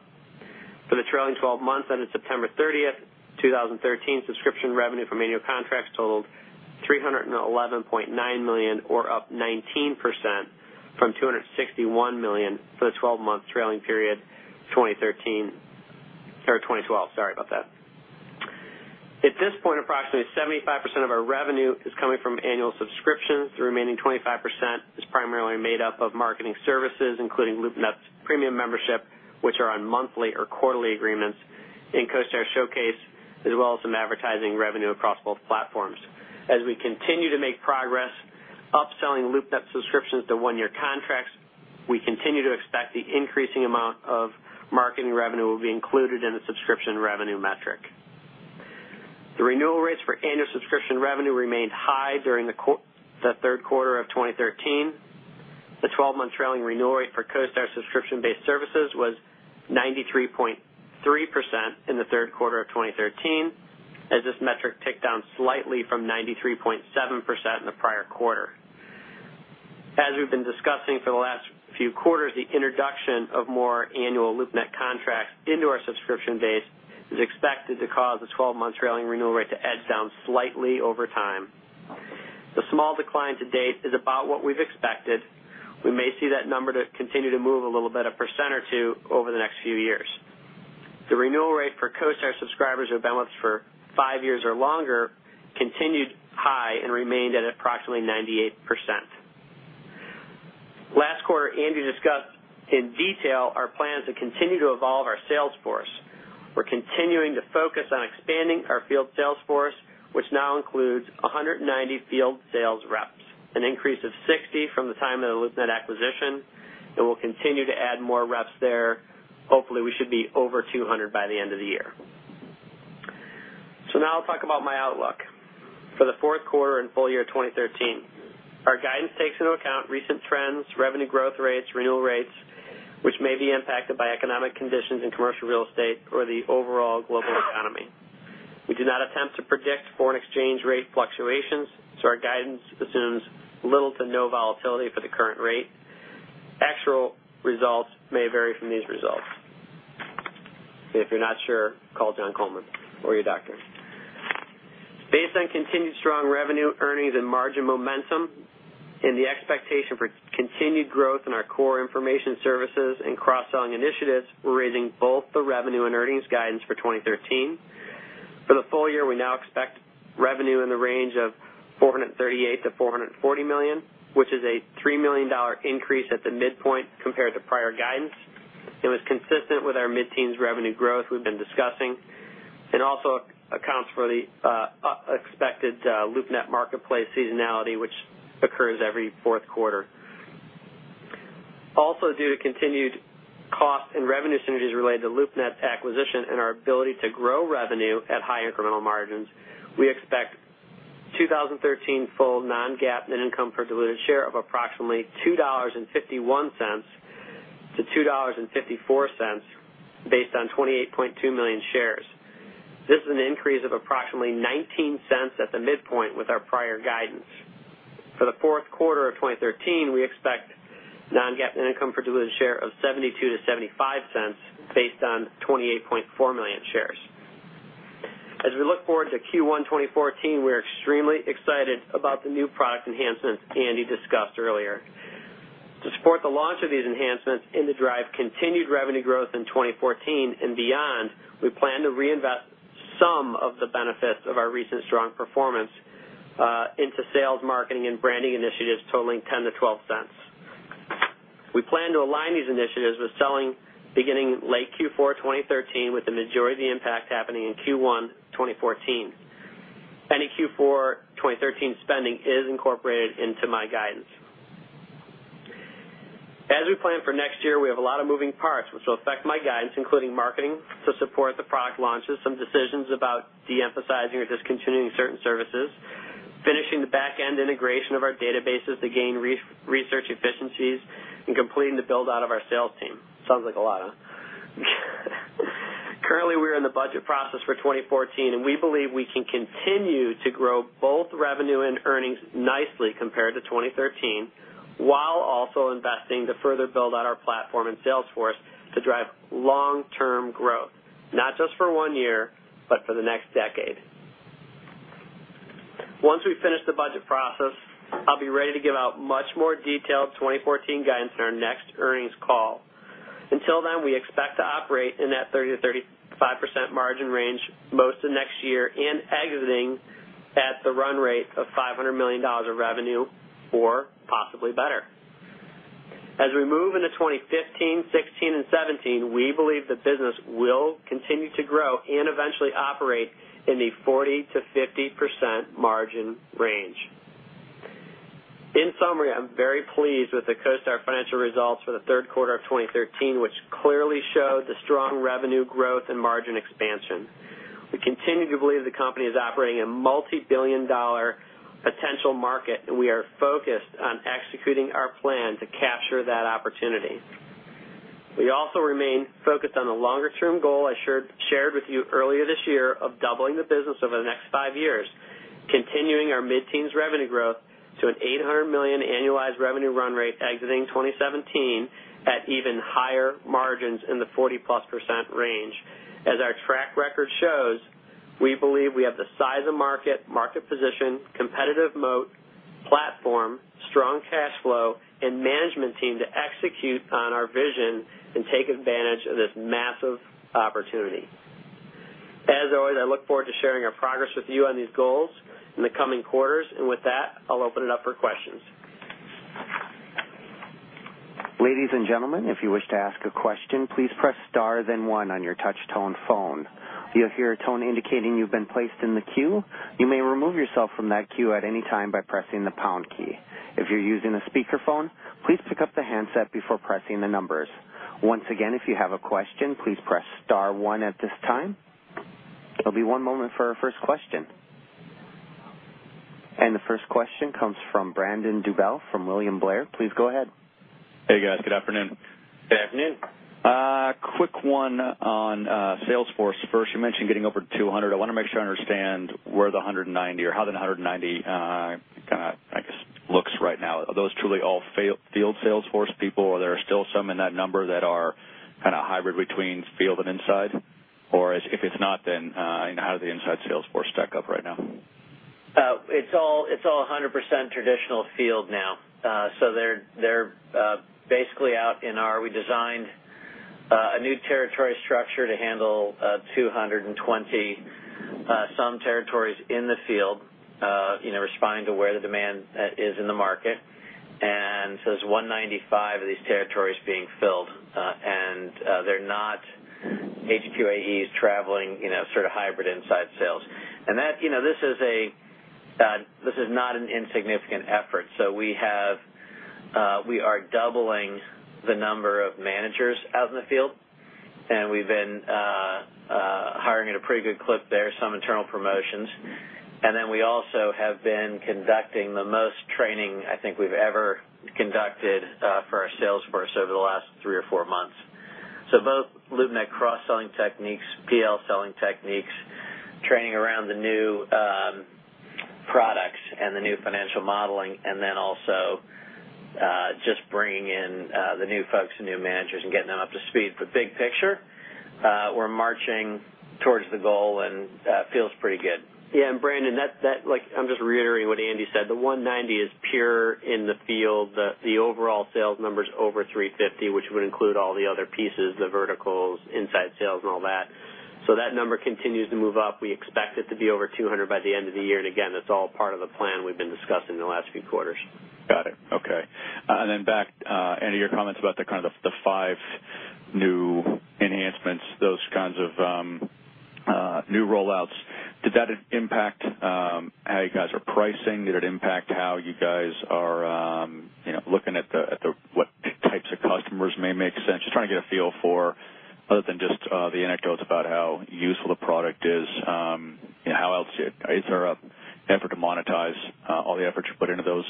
For the trailing 12 months ended September 30th, 2013, subscription revenue from annual contracts totaled $311.9 million or up 19% from $261 million for the 12-month trailing period 2013 or 2012, sorry about that. At this point, approximately 75% of our revenue is coming from annual subscriptions. The remaining 25% is primarily made up of marketing services, including LoopNet's Premium Membership, which are on monthly or quarterly agreements, and CoStar Showcase, as well as some advertising revenue across both platforms. As we continue to make progress upselling LoopNet subscriptions to one-year contracts, we continue to expect the increasing amount of marketing revenue will be included in the subscription revenue metric. The renewal rates for annual subscription revenue remained high during the third quarter of 2013. The 12-month trailing renewal rate for CoStar subscription-based services was 93.3% in the third quarter of 2013, as this metric ticked down slightly from 93.7% in the prior quarter. As we've been discussing for the last few quarters, the introduction of more annual LoopNet contracts into our subscription base is expected to cause the 12-month trailing renewal rate to edge down slightly over time. The small decline to date is about what we've expected. We may see that number to continue to move a little bit, 1% or 2% over the next few years. The renewal rate for CoStar subscribers who have been with us for five years or longer continued high and remained at approximately 98%. Last quarter, Andy discussed in detail our plans to continue to evolve our sales force. We're continuing to focus on expanding our field sales force, which now includes 190 field sales reps, an increase of 60 from the time of the LoopNet acquisition, and we'll continue to add more reps there. Hopefully, we should be over 200 by the end of the year. Now I'll talk about my outlook for the fourth quarter and full year 2013. Our guidance takes into account recent trends, revenue growth rates, renewal rates, which may be impacted by economic conditions in commercial real estate or the overall global economy. We do not attempt to predict foreign exchange rate fluctuations, our guidance assumes little to no volatility for the current rate. Actual results may vary from these results. If you're not sure, call John Coleman or your doctor. Based on continued strong revenue, earnings, and margin momentum and the expectation for continued growth in our core information services and cross-selling initiatives, we're raising both the revenue and earnings guidance for 2013. For the full year, we now expect revenue in the range of $438 million-$440 million, which is a $3 million increase at the midpoint compared to prior guidance. It was consistent with our mid-teens revenue growth we've been discussing and also accounts for the expected LoopNet marketplace seasonality, which occurs every fourth quarter. Due to continued cost and revenue synergies related to LoopNet acquisition and our ability to grow revenue at high incremental margins, we expect 2013 full non-GAAP net income per diluted share of approximately $2.51-$2.54 based on 28.2 million shares. This is an increase of approximately $0.19 at the midpoint with our prior guidance. For the fourth quarter of 2013, we expect non-GAAP net income per diluted share of $0.72-$0.75, based on 28.4 million shares. As we look forward to Q1 2014, we're extremely excited about the new product enhancements Andy discussed earlier. To support the launch of these enhancements and to drive continued revenue growth in 2014 and beyond, we plan to reinvest some of the benefits of our recent strong performance into sales, marketing, and branding initiatives totaling $0.10-$0.12. We plan to align these initiatives with selling beginning late Q4 2013, with the majority of the impact happening in Q1 2014. Any Q4 2013 spending is incorporated into my guidance. We plan for next year, we have a lot of moving parts which will affect my guidance, including marketing to support the product launches, some decisions about de-emphasizing or discontinuing certain services, finishing the back-end integration of our databases to gain research efficiencies, and completing the build-out of our sales team. Sounds like a lot, huh? Currently, we're in the budget process for 2014. We believe we can continue to grow both revenue and earnings nicely compared to 2013, while also investing to further build out our platform and sales force to drive long-term growth, not just for one year, but for the next decade. Once we finish the budget process, I'll be ready to give out much more detailed 2014 guidance in our next earnings call. Until then, we expect to operate in that 30%-35% margin range most of next year and exiting at the run rate of $500 million of revenue or possibly better. As we move into 2015, 2016, and 2017, we believe the business will continue to grow and eventually operate in the 40%-50% margin range. In summary, I'm very pleased with the CoStar financial results for the third quarter of 2013, which clearly show the strong revenue growth and margin expansion. We continue to believe the company is operating in a multi-billion dollar potential market. We also remain focused on the longer-term goal I shared with you earlier this year of doubling the business over the next five years, continuing our mid-teens revenue growth to an $800 million annualized revenue run rate exiting 2017 at even higher margins in the 40%-plus range. As our track record shows, we believe we have the size of market position, competitive moat, platform, strong cash flow, and management team to execute on our vision and take advantage of this massive opportunity. As always, I look forward to sharing our progress with you on these goals in the coming quarters. With that, I'll open it up for questions. Ladies and gentlemen, if you wish to ask a question, please press star then one on your touch tone phone. You'll hear a tone indicating you've been placed in the queue. You may remove yourself from that queue at any time by pressing the pound key. If you're using a speakerphone, please pick up the handset before pressing the numbers. Once again, if you have a question, please press star one at this time. It'll be one moment for our first question. The first question comes from Brandon Dobell from William Blair. Please go ahead. Hey, guys. Good afternoon. Good afternoon. Quick one on salesforce. You mentioned getting over 200. I want to make sure I understand where the 190 or how the 190 looks right now. Are those truly all field salesforce people, or there are still some in that number that are kind of hybrid between field and inside? If it's not, then how do the inside salesforce stack up right now? It's all 100% traditional field now. They're basically out in our We designed a new territory structure to handle 220-some territories in the field, responding to where the demand is in the market. There's 195 of these territories being filled. They're not HQAEs traveling, sort of hybrid inside sales. This is not an insignificant effort. We are doubling the number of managers out in the field, and we've been hiring at a pretty good clip there, some internal promotions. We also have been conducting the most training I think we've ever conducted for our salesforce over the last three or four months. Both LoopNet cross-selling techniques, PL selling techniques, training around the new products and the new financial modeling, and then also just bringing in the new folks and new managers and getting them up to speed. Big picture, we're marching towards the goal, and it feels pretty good. Brandon, I'm just reiterating what Andy said. The 190 is pure in the field. The overall sales number's over 350, which would include all the other pieces, the verticals, inside sales, and all that. That number continues to move up. We expect it to be over 200 by the end of the year, and again, that's all part of the plan we've been discussing in the last few quarters. Got it. Okay. Back, Andy, your comments about the kind of the five new enhancements, those kinds of new rollouts, did that impact how you guys are pricing? Did it impact how you guys are looking at what types of customers may make sense? Just trying to get a feel for, other than just the anecdotes about how useful the product is? Is there an effort to monetize all the efforts you put into those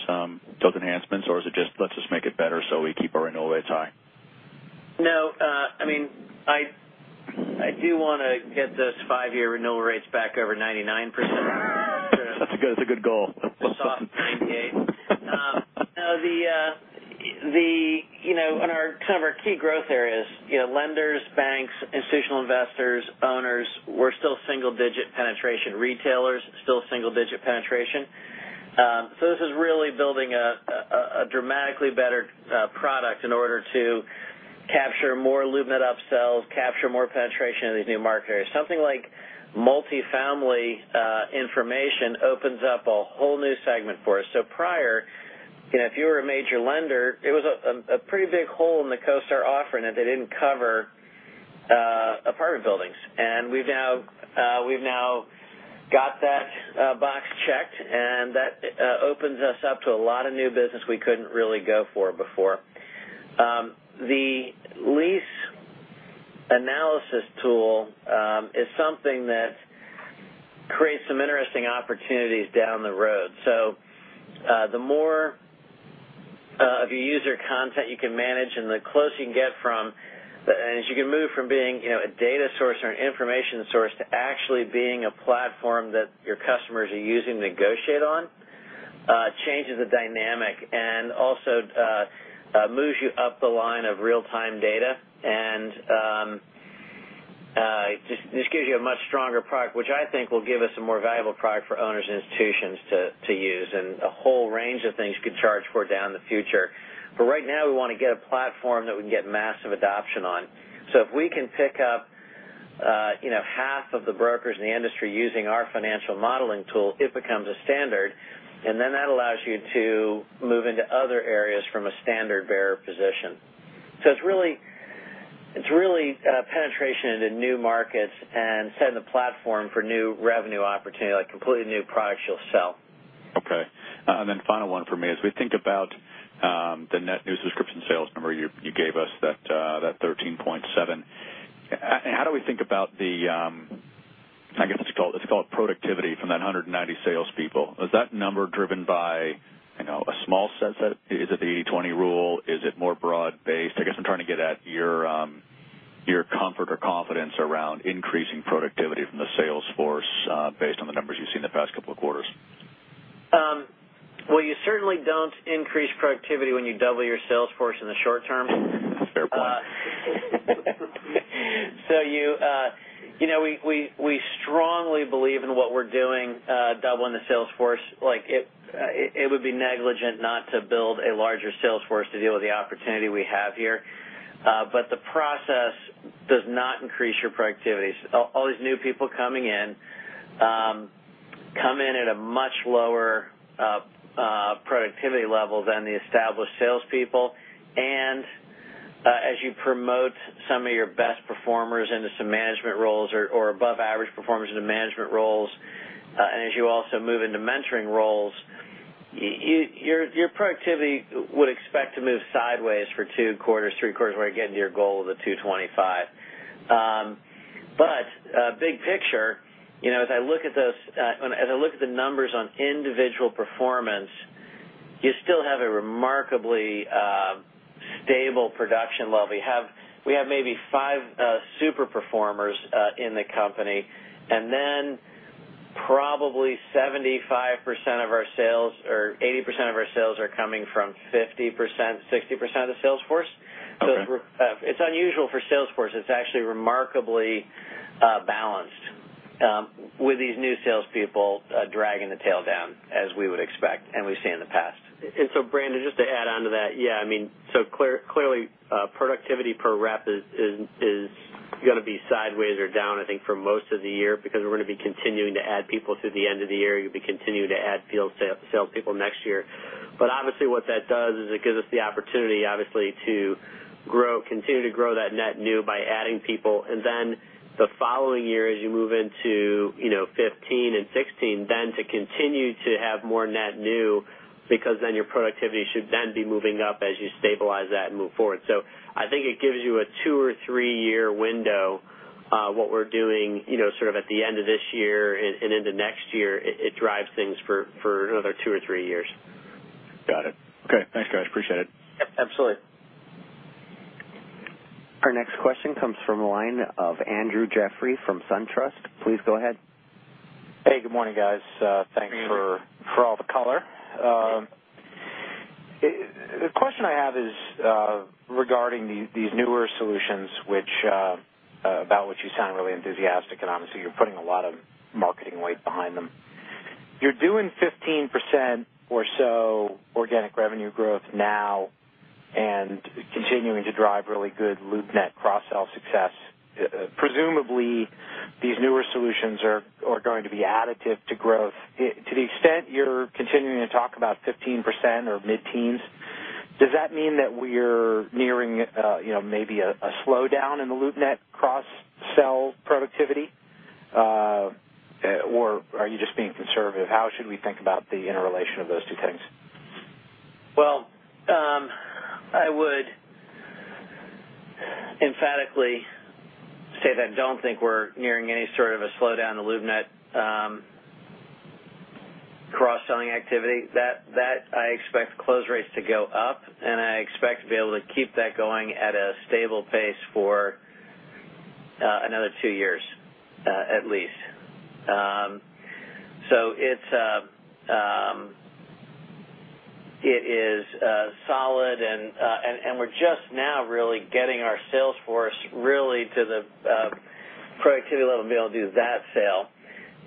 enhancements, or is it just, "Let's just make it better so we keep our renewal rates high? No. I do want to get those five-year renewal rates back over 99%. That's a good goal. We're still soft at 98. On kind of our key growth areas, lenders, banks, institutional investors, owners, we're still single-digit penetration retailers. Still single-digit penetration. This is really building a dramatically better product in order to capture more LoopNet upsells, capture more penetration in these new market areas. Something like multifamily information opens up a whole new segment for us. Prior, if you were a major lender, it was a pretty big hole in the CoStar offering that they didn't cover apartment buildings. We've now got that box checked, and that opens us up to a lot of new business we couldn't really go for before. The lease analysis tool is something that creates some interesting opportunities down the road. The more of your user content you can manage and as you can move from being a data source or an information source to actually being a platform that your customers are using to negotiate on, changes the dynamic and also moves you up the line of real-time data. Just gives you a much stronger product, which I think will give us a more valuable product for owners and institutions to use. A whole range of things you can charge for down in the future. Right now, we want to get a platform that we can get massive adoption on. If we can pick up half of the brokers in the industry using our financial modeling tool, it becomes a standard, that allows you to move into other areas from a standard-bearer position. It's really penetration into new markets and setting the platform for new revenue opportunity, like completely new products you'll sell. Final one from me is, we think about the net new subscription sales number you gave us, that 13.7. How do we think about the, I guess it's called productivity from that 190 salespeople. Is that number driven by a small set? Is it the 80/20 rule? Is it more broad-based? I guess I'm trying to get at your comfort or confidence around increasing productivity from the sales force based on the numbers you've seen the past couple of quarters. You certainly don't increase productivity when you double your sales force in the short term. Fair point. We strongly believe in what we're doing, doubling the sales force. It would be negligent not to build a larger sales force to deal with the opportunity we have here. The process does not increase your productivity. All these new people coming in, come in at a much lower productivity level than the established salespeople. As you promote some of your best performers into some management roles, or above average performers into management roles, and as you also move into mentoring roles, your productivity would expect to move sideways for two quarters, three quarters, where you get into your goal of the 225. Big picture, as I look at the numbers on individual performance, you still have a remarkably stable production level. We have maybe five super performers in the company, and then probably 80% of our sales are coming from 50%, 60% of the sales force. Okay. It's unusual for sales force. It's actually remarkably balanced with these new salespeople dragging the tail down as we would expect and we've seen in the past. Brandon, just to add onto that. Clearly, productivity per rep is going to be sideways or down, I think, for most of the year, because we're going to be continuing to add people through the end of the year. We continue to add field salespeople next year. Obviously, what that does is it gives us the opportunity, obviously, to continue to grow that net new by adding people, and then the following year, as you move into 2015 and 2016, then to continue to have more net new, because then your productivity should then be moving up as you stabilize that and move forward. I think it gives you a two- or three-year window, what we're doing sort of at the end of this year and into next year. It drives things for another two or three years. Got it. Okay, thanks, guys. Appreciate it. Absolutely. Our next question comes from the line of Andrew Jeffrey from SunTrust. Please go ahead. Hey, good morning, guys. Thanks for all the color. The question I have is regarding these newer solutions about which you sound really enthusiastic, and obviously, you're putting a lot of marketing weight behind them. You're doing 15% or so organic revenue growth now and continuing to drive really good LoopNet cross-sell success. Presumably, these newer solutions are going to be additive to growth. To the extent you're continuing to talk about 15% or mid-teens, does that mean that we're nearing maybe a slowdown in the LoopNet cross-sell productivity? Are you just being conservative? How should we think about the interrelation of those two things? I can likely say that I don't think we're nearing any sort of a slowdown to LoopNet cross-selling activity. I expect close rates to go up, and I expect to be able to keep that going at a stable pace for another two years, at least. It is solid, and we're just now really getting our sales force really to the productivity level to be able to do that sale,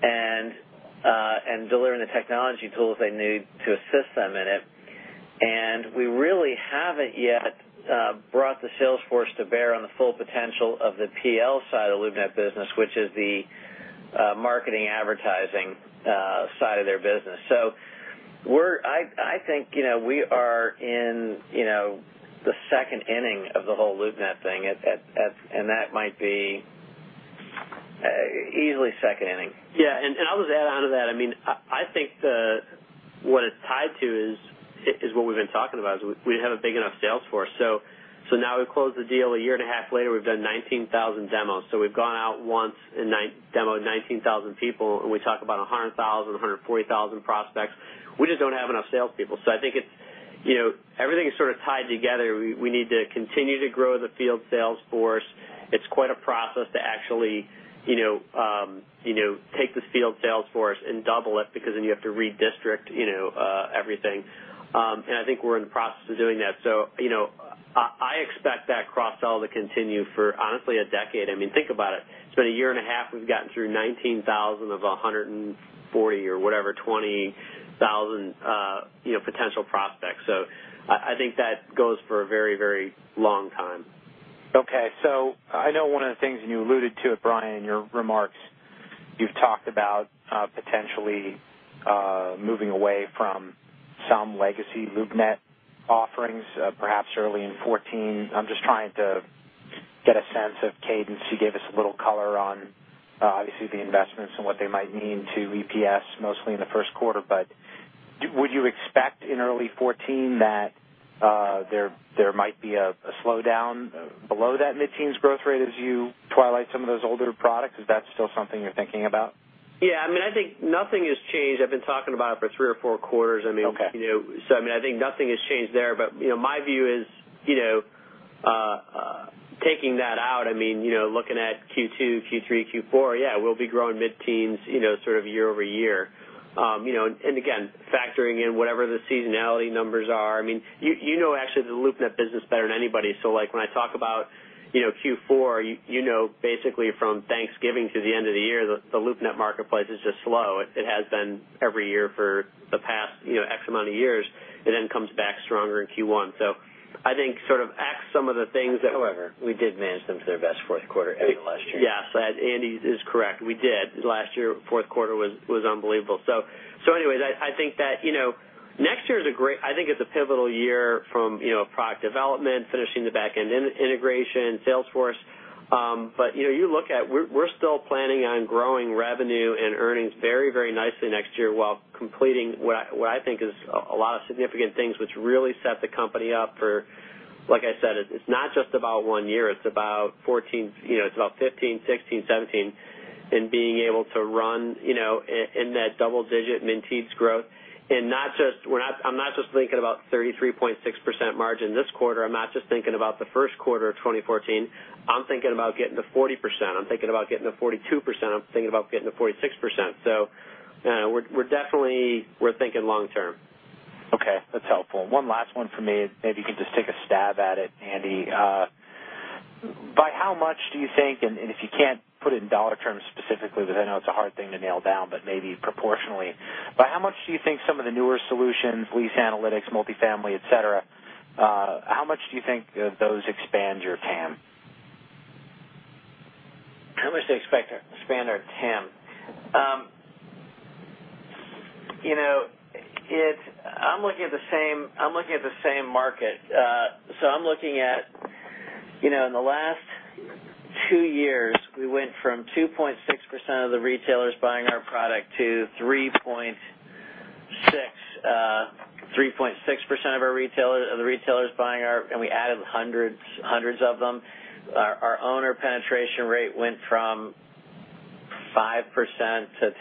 and delivering the technology tools they need to assist them in it. We really haven't yet brought the sales force to bear on the full potential of the PL side of the LoopNet business, which is the marketing advertising side of their business. I think we are in the second inning of the whole LoopNet thing, and that might be easily second inning. I'll just add onto that. I think what it's tied to is what we've been talking about, is we have a big enough sales force. Now we've closed the deal a year and a half later. We've done 19,000 demos. We've gone out once and demoed 19,000 people, and we talk about 100,000, 140,000 prospects. We just don't have enough salespeople. I think everything is sort of tied together. We need to continue to grow the field sales force. It's quite a process to actually take this field sales force and double it, because then you have to redistrict everything. I think we're in the process of doing that. I expect that cross-sell to continue for, honestly, a decade. Think about it. It's been a year and a half. We've gotten through 19,000 of 140 or whatever, 20,000 potential prospects. I think that goes for a very long time. Okay. I know one of the things, and you alluded to it, Brian, in your remarks, you've talked about potentially moving away from some legacy LoopNet offerings, perhaps early in 2014. I'm just trying to get a sense of cadence. You gave us a little color on, obviously, the investments and what they might mean to EPS, mostly in the first quarter. Would you expect in early 2014 that there might be a slowdown below that mid-teens growth rate as you twilight some of those older products? Is that still something you're thinking about? Yeah. I think nothing has changed. I've been talking about it for three or four quarters. Okay. I think nothing has changed there. My view is, taking that out, looking at Q2, Q3, Q4, yeah, we'll be growing mid-teens sort of year-over-year. Again, factoring in whatever the seasonality numbers are. You know actually the LoopNet business better than anybody. When I talk about Q4, you know basically from Thanksgiving to the end of the year, the LoopNet marketplace is just slow. It has been every year for the past X amount of years. It then comes back stronger in Q1. I think sort of X some of the things that- However, we did manage them to their best fourth quarter ever last year. Yes. Andy is correct. We did. Last year, fourth quarter was unbelievable. Anyways, I think that next year is a pivotal year from a product development, finishing the back-end integration, salesforce. You look at, we're still planning on growing revenue and earnings very nicely next year while completing what I think is a lot of significant things which really set the company up for. Like I said, it's not just about one year. It's about 2014, it's about 2015, 2016, 2017, and being able to run in that double-digit mid-teens growth. I'm not just thinking about 33.6% margin this quarter. I'm not just thinking about the first quarter of 2014. I'm thinking about getting to 40%. I'm thinking about getting to 42%. I'm thinking about getting to 46%. We're definitely thinking long term. Okay. That's helpful. One last one from me, maybe you can just take a stab at it, Andy. By how much do you think, and if you can't put it in dollar terms specifically, because I know it's a hard thing to nail down, but maybe proportionally. By how much do you think some of the newer solutions, lease analytics, multifamily, et cetera, how much do you think those expand your TAM? How much do I expect to expand our TAM? I'm looking at the same market. I'm looking at, in the last two years, we went from 2.6% of the retailers buying our product to 3.6% of the retailers. And we added hundreds of them. Our owner penetration rate went from 5% to 7%.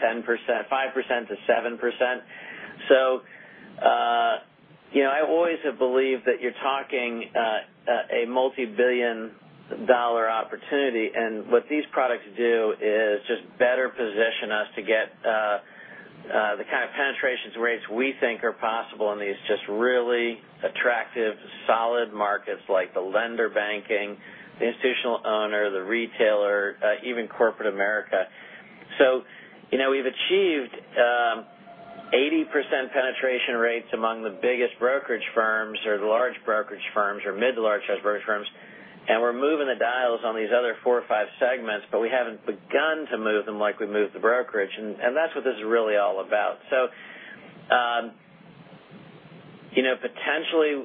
I always have believed that you're talking a multibillion-dollar opportunity, and what these products do is just better position us to get the kind of penetration rates we think are possible in these just really attractive, solid markets like the lender banking, the institutional owner, the retailer, even corporate America. We've achieved 80% penetration rates among the biggest brokerage firms or the large brokerage firms or mid-large brokerage firms, and we're moving the dials on these other four or five segments, but we haven't begun to move them like we moved the brokerage. That's what this is really all about. Potentially,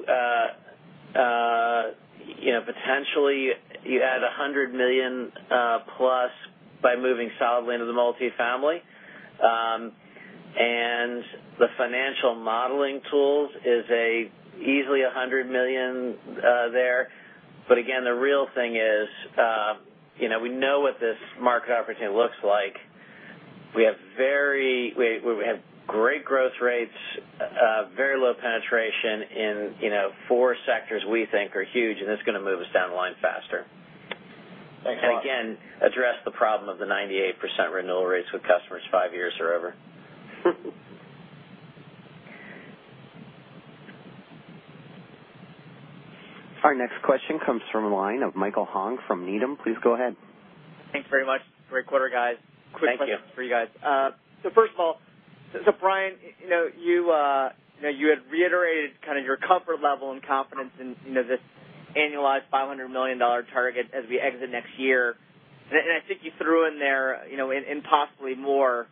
you add $100 million+ by moving solidly into the multifamily. The financial modeling tools is easily $100 million there. Again, the real thing is, we know what this market opportunity looks like. We have great growth rates, very low penetration in four sectors we think are huge, and it's going to move us down the line faster. Thanks a lot. Again, address the problem of the 98% renewal rates with customers five years or over. Our next question comes from the line of Michael Hong from Needham. Please go ahead. Thanks very much. Great quarter, guys. Thank you. Quick question for you guys. First of all, Brian, you had reiterated kind of your comfort level and confidence in this annualized $500 million target as we exit next year. I think you threw in there and possibly more,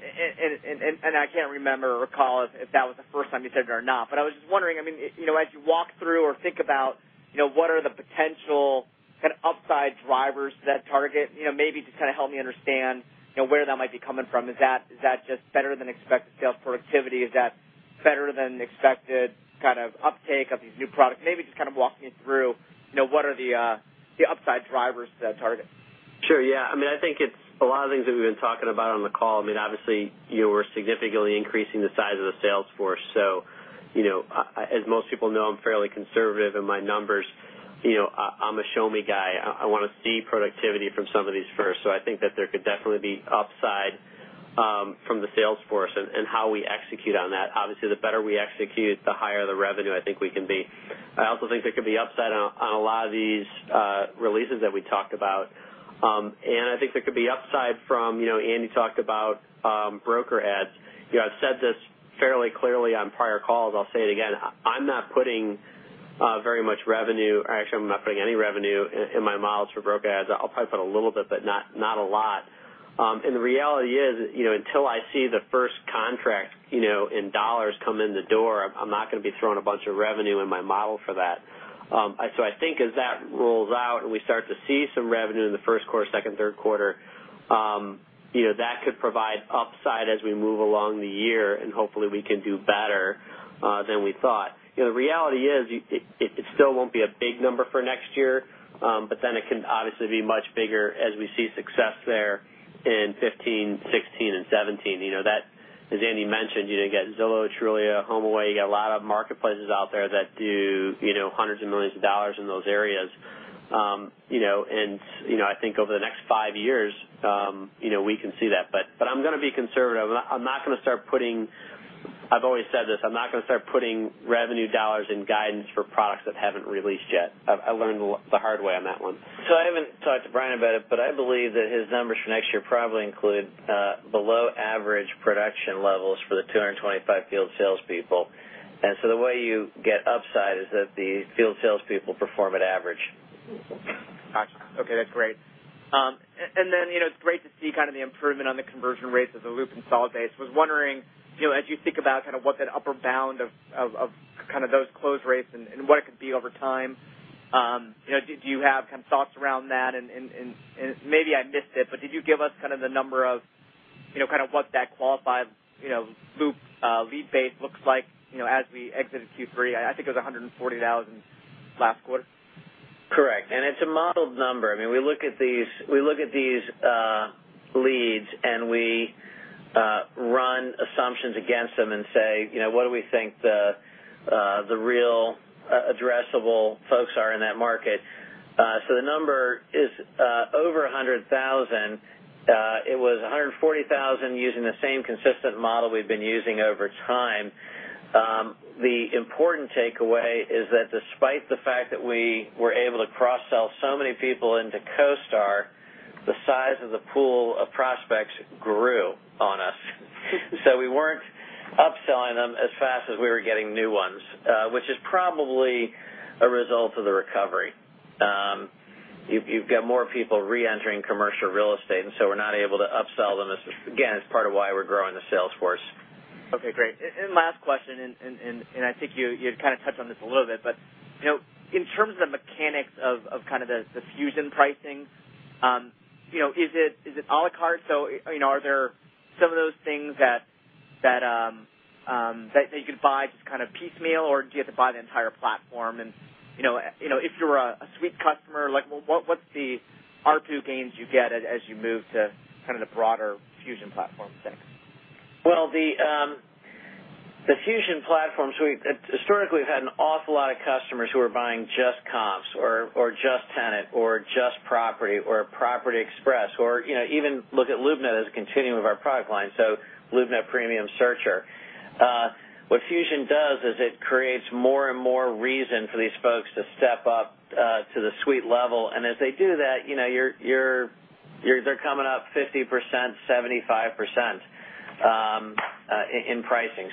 I can't remember or recall if that was the first time you said it or not, I was just wondering, as you walk through or think about what are the potential kind of upside drivers to that target, maybe just to kind of help me understand where that might be coming from. Is that just better-than-expected sales productivity? Is that better than expected kind of uptake of these new products? Maybe just kind of walking it through, what are the upside drivers to that target? Sure, yeah. I think it's a lot of things that we've been talking about on the call. Obviously, we're significantly increasing the size of the sales force. As most people know, I'm fairly conservative in my numbers. I'm a show-me guy. I want to see productivity from some of these first. I think that there could definitely be upside from the sales force and how we execute on that. Obviously, the better we execute, the higher the revenue I think we can be. I also think there could be upside on a lot of these releases that we talked about. I think there could be upside from, Andy talked about broker ads. I've said this fairly clearly on prior calls, I'll say it again, I'm not putting very much revenue, or actually, I'm not putting any revenue in my models for broker ads. I'll probably put a little bit, but not a lot. The reality is, until I see the first contract in dollars come in the door, I'm not going to be throwing a bunch of revenue in my model for that. I think as that rolls out and we start to see some revenue in the first quarter, second, third quarter, that could provide upside as we move along the year, and hopefully we can do better than we thought. The reality is, it still won't be a big number for next year, it can obviously be much bigger as we see success there in 2015, 2016, and 2017. As Andy mentioned, you got Zillow, Trulia, HomeAway, you got a lot of marketplaces out there that do hundreds of millions of dollars in those areas. I think over the next five years, we can see that. I'm going to be conservative. I've always said this, I'm not going to start putting revenue dollars in guidance for products that haven't released yet. I've learned the hard way on that one. I haven't talked to Brian about it, but I believe that his numbers for next year probably include below-average production levels for the 225 field salespeople. The way you get upside is if the field salespeople perform at average. Got you. Okay, that's great. It's great to see kind of the improvement on the conversion rates of the Loop consolidated base. Was wondering, as you think about kind of what that upper bound of kind of those close rates and what it could be over time, did you have kind of thoughts around that? Maybe I missed it, but did you give us kind of the number of what that qualified Loop lead base looks like as we exited Q3? I think it was 140,000 last quarter. Correct. It's a modeled number. We look at these leads, and we run assumptions against them and say, what do we think the real addressable folks are in that market? The number is over 100,000. It was 140,000 using the same consistent model we've been using over time. The important takeaway is that despite the fact that we were able to cross-sell so many people into CoStar, the size of the pool of prospects grew on us. We weren't upselling them as fast as we were getting new ones, which is probably a result of the recovery. You've got more people re-entering commercial real estate, we're not able to upsell them as Again, it's part of why we're growing the sales force. Okay, great. Last question, and I think you kind of touched on this a little bit, but in terms of the mechanics of kind of the Fusion pricing, is it à la carte? Are there some of those things that you could buy just kind of piecemeal, or do you have to buy the entire platform? If you're a Suite customer, what's the ARPU gains you get as you move to kind of the broader Fusion platform thanks? Well, the Fusion platform Suite, historically, we've had an awful lot of customers who are buying just comps or just tenant or just property or Property Express, or even look at LoopNet as a continuum of our product line, LoopNet Premium Lister. What Fusion does is it creates more and more reason for these folks to step up to the Suite level, as they do that, they're coming up 50%, 75% in pricing.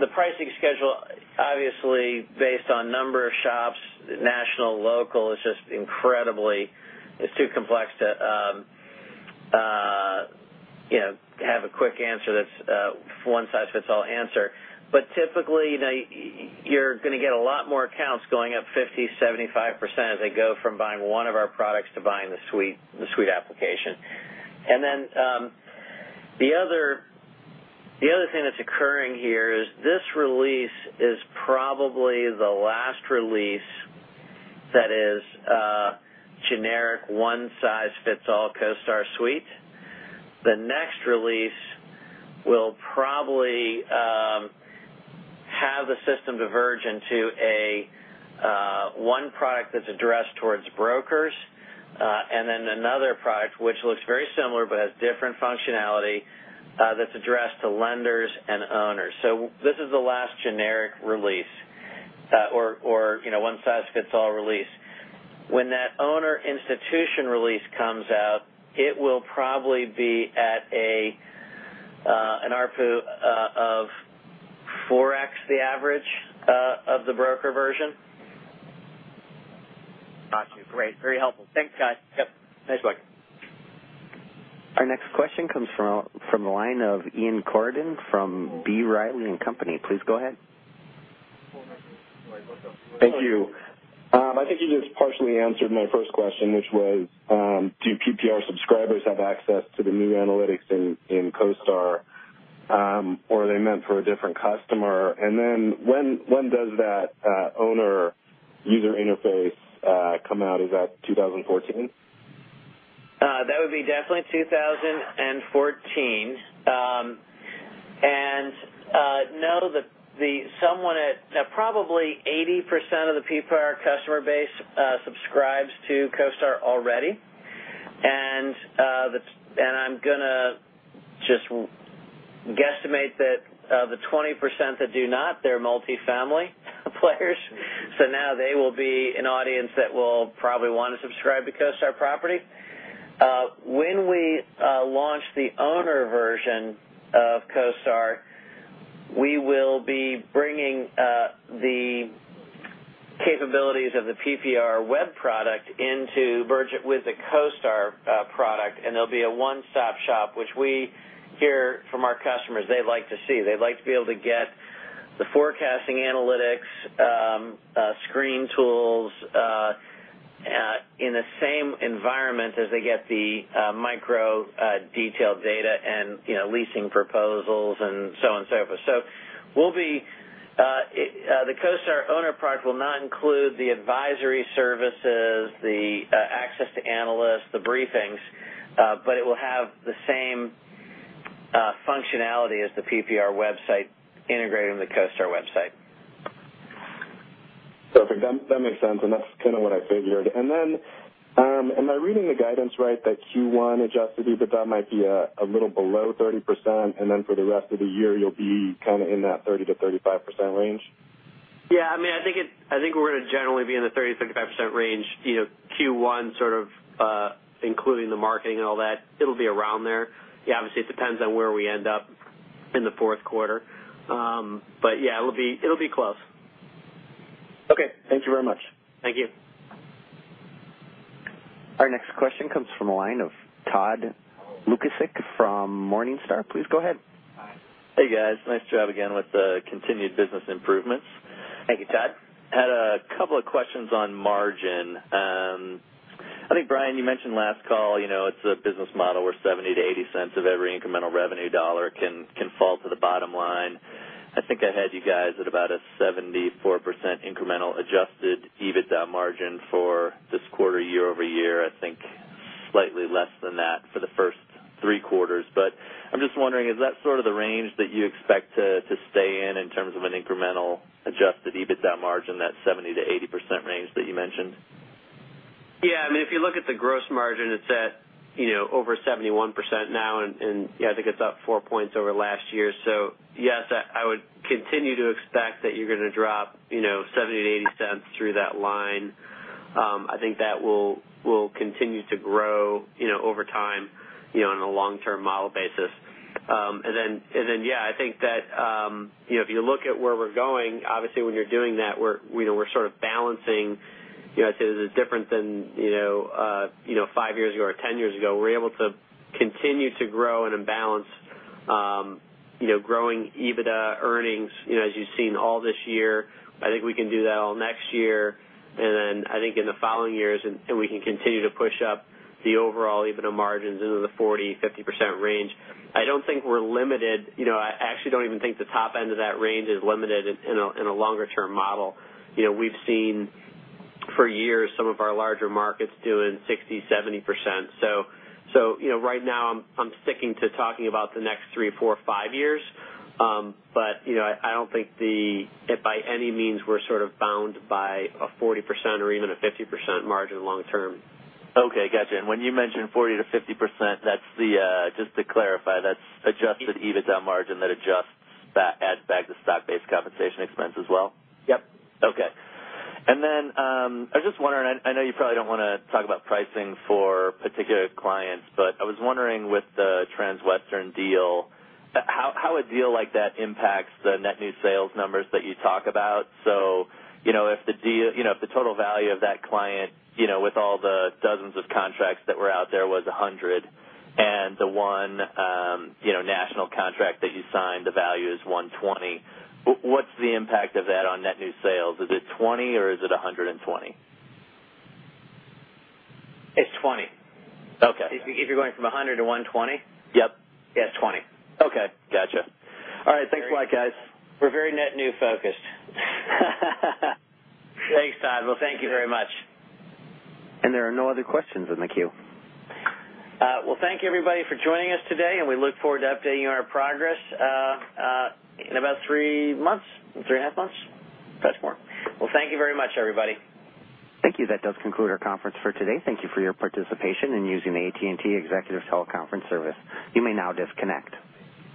The pricing schedule, obviously based on number of shops, national, local, is just incredibly It's too complex to have a quick answer that's a one-size-fits-all answer. Typically, you're going to get a lot more accounts going up 50%, 75% as they go from buying one of our products to buying the Suite application. The other thing that's occurring here is this release is probably the last release that is a generic one-size-fits-all CoStar Suite. The next release will probably have the system diverge into one product that's addressed towards brokers, another product which looks very similar but has different functionality that's addressed to lenders and owners. This is the last generic release or one-size-fits-all release. When that owner institution release comes out, it will probably be at an ARPU of 4X the average of the broker version. Got you. Great. Very helpful. Thanks, guys. Yep. Thanks, Mike. Our next question comes from the line of Ian Corydon from B. Riley & Company. Please go ahead. Thank you. I think you just partially answered my first question, which was, do PPR subscribers have access to the new analytics in CoStar, or are they meant for a different customer? When does that owner user interface come out? Is that 2014? That would be definitely 2014. No, probably 80% of the PPR customer base subscribes to CoStar already. I'm going to just guesstimate that the 20% that do not, they're multi-family players. Now they will be an audience that will probably want to subscribe to CoStar property. When we launch the owner version of CoStar, we will be bringing the capabilities of the PPR web product into merge it with the CoStar product, and there'll be a one-stop shop, which we hear from our customers they'd like to see. They'd like to be able to get the forecasting analytics, screen tools in the same environment as they get the micro-detailed data and leasing proposals and so on and so forth. The CoStar owner product will not include the advisory services, the access to analysts, the briefings, but it will have the same functionality as the PPR website integrated on the CoStar website. Perfect. That makes sense, and that's kind of what I figured. Then, am I reading the guidance right that Q1 adjusted EBITDA might be a little below 30%, and then for the rest of the year, you'll be in that 30%-35% range? Yeah. I think we're going to generally be in the 30%-35% range. Q1 including the marketing and all that, it'll be around there. Obviously, it depends on where we end up in the fourth quarter. Yeah, it'll be close. Okay. Thank you very much. Thank you. Our next question comes from the line of Todd Lukasic from Morningstar. Please go ahead. Hey, guys. Nice job again with the continued business improvements. Thank you, Todd. Had a couple of questions on margin. I think, Brian, you mentioned last call it's a business model where $0.70-$0.80 of every incremental revenue dollar can fall to the bottom line. I think I had you guys at about a 74% incremental adjusted EBITDA margin for this quarter year-over-year. I think slightly less than that for the first three quarters. I'm just wondering, is that sort of the range that you expect to stay in terms of an incremental adjusted EBITDA margin, that 70%-80% range that you mentioned? Yeah. If you look at the gross margin, it's at over 71% now, and I think it's up four points over last year. Yes, I would continue to expect that you're going to drop $0.70-$0.80 through that line. I think that will continue to grow over time on a long-term model basis. Then, yeah, I think that if you look at where we're going, obviously when you're doing that, we're sort of balancing. This is different than five years ago or 10 years ago. We're able to continue to grow and imbalance growing EBITDA earnings as you've seen all this year. I think we can do that all next year. Then I think in the following years, we can continue to push up the overall EBITDA margins into the 40%-50% range. I don't think we're limited. I actually don't even think the top end of that range is limited in a longer-term model. We've seen for years some of our larger markets doing 60%-70%. Right now, I'm sticking to talking about the next three, four, five years. I don't think that by any means we're sort of bound by a 40% or even a 50% margin long term. Okay. Got you. When you mentioned 40% to 50%, just to clarify, that's adjusted EBITDA margin that adjusts adds back the stock-based compensation expense as well? Yep. Okay. I was just wondering, I know you probably don't want to talk about pricing for particular clients, but I was wondering with the Transwestern deal, how a deal like that impacts the net new sales numbers that you talk about. If the total value of that client with all the dozens of contracts that were out there was $100, and the one national contract that you signed, the value is $120, what's the impact of that on net new sales? Is it $20 or is it $120? It's $20. Okay. If you're going from $100 to $120? Yep. Yeah, it's 20. Okay. Got you. All right. Thanks a lot, guys. We're very net new focused. Thanks, Todd. Well, thank you very much. There are no other questions on the queue. Well, thank you everybody for joining us today. We look forward to updating our progress in about three months, three and a half months. That's more. Well, thank you very much, everybody. Thank you. That does conclude our conference for today. Thank you for your participation and using AT&T Executive Teleconference Service. You may now disconnect.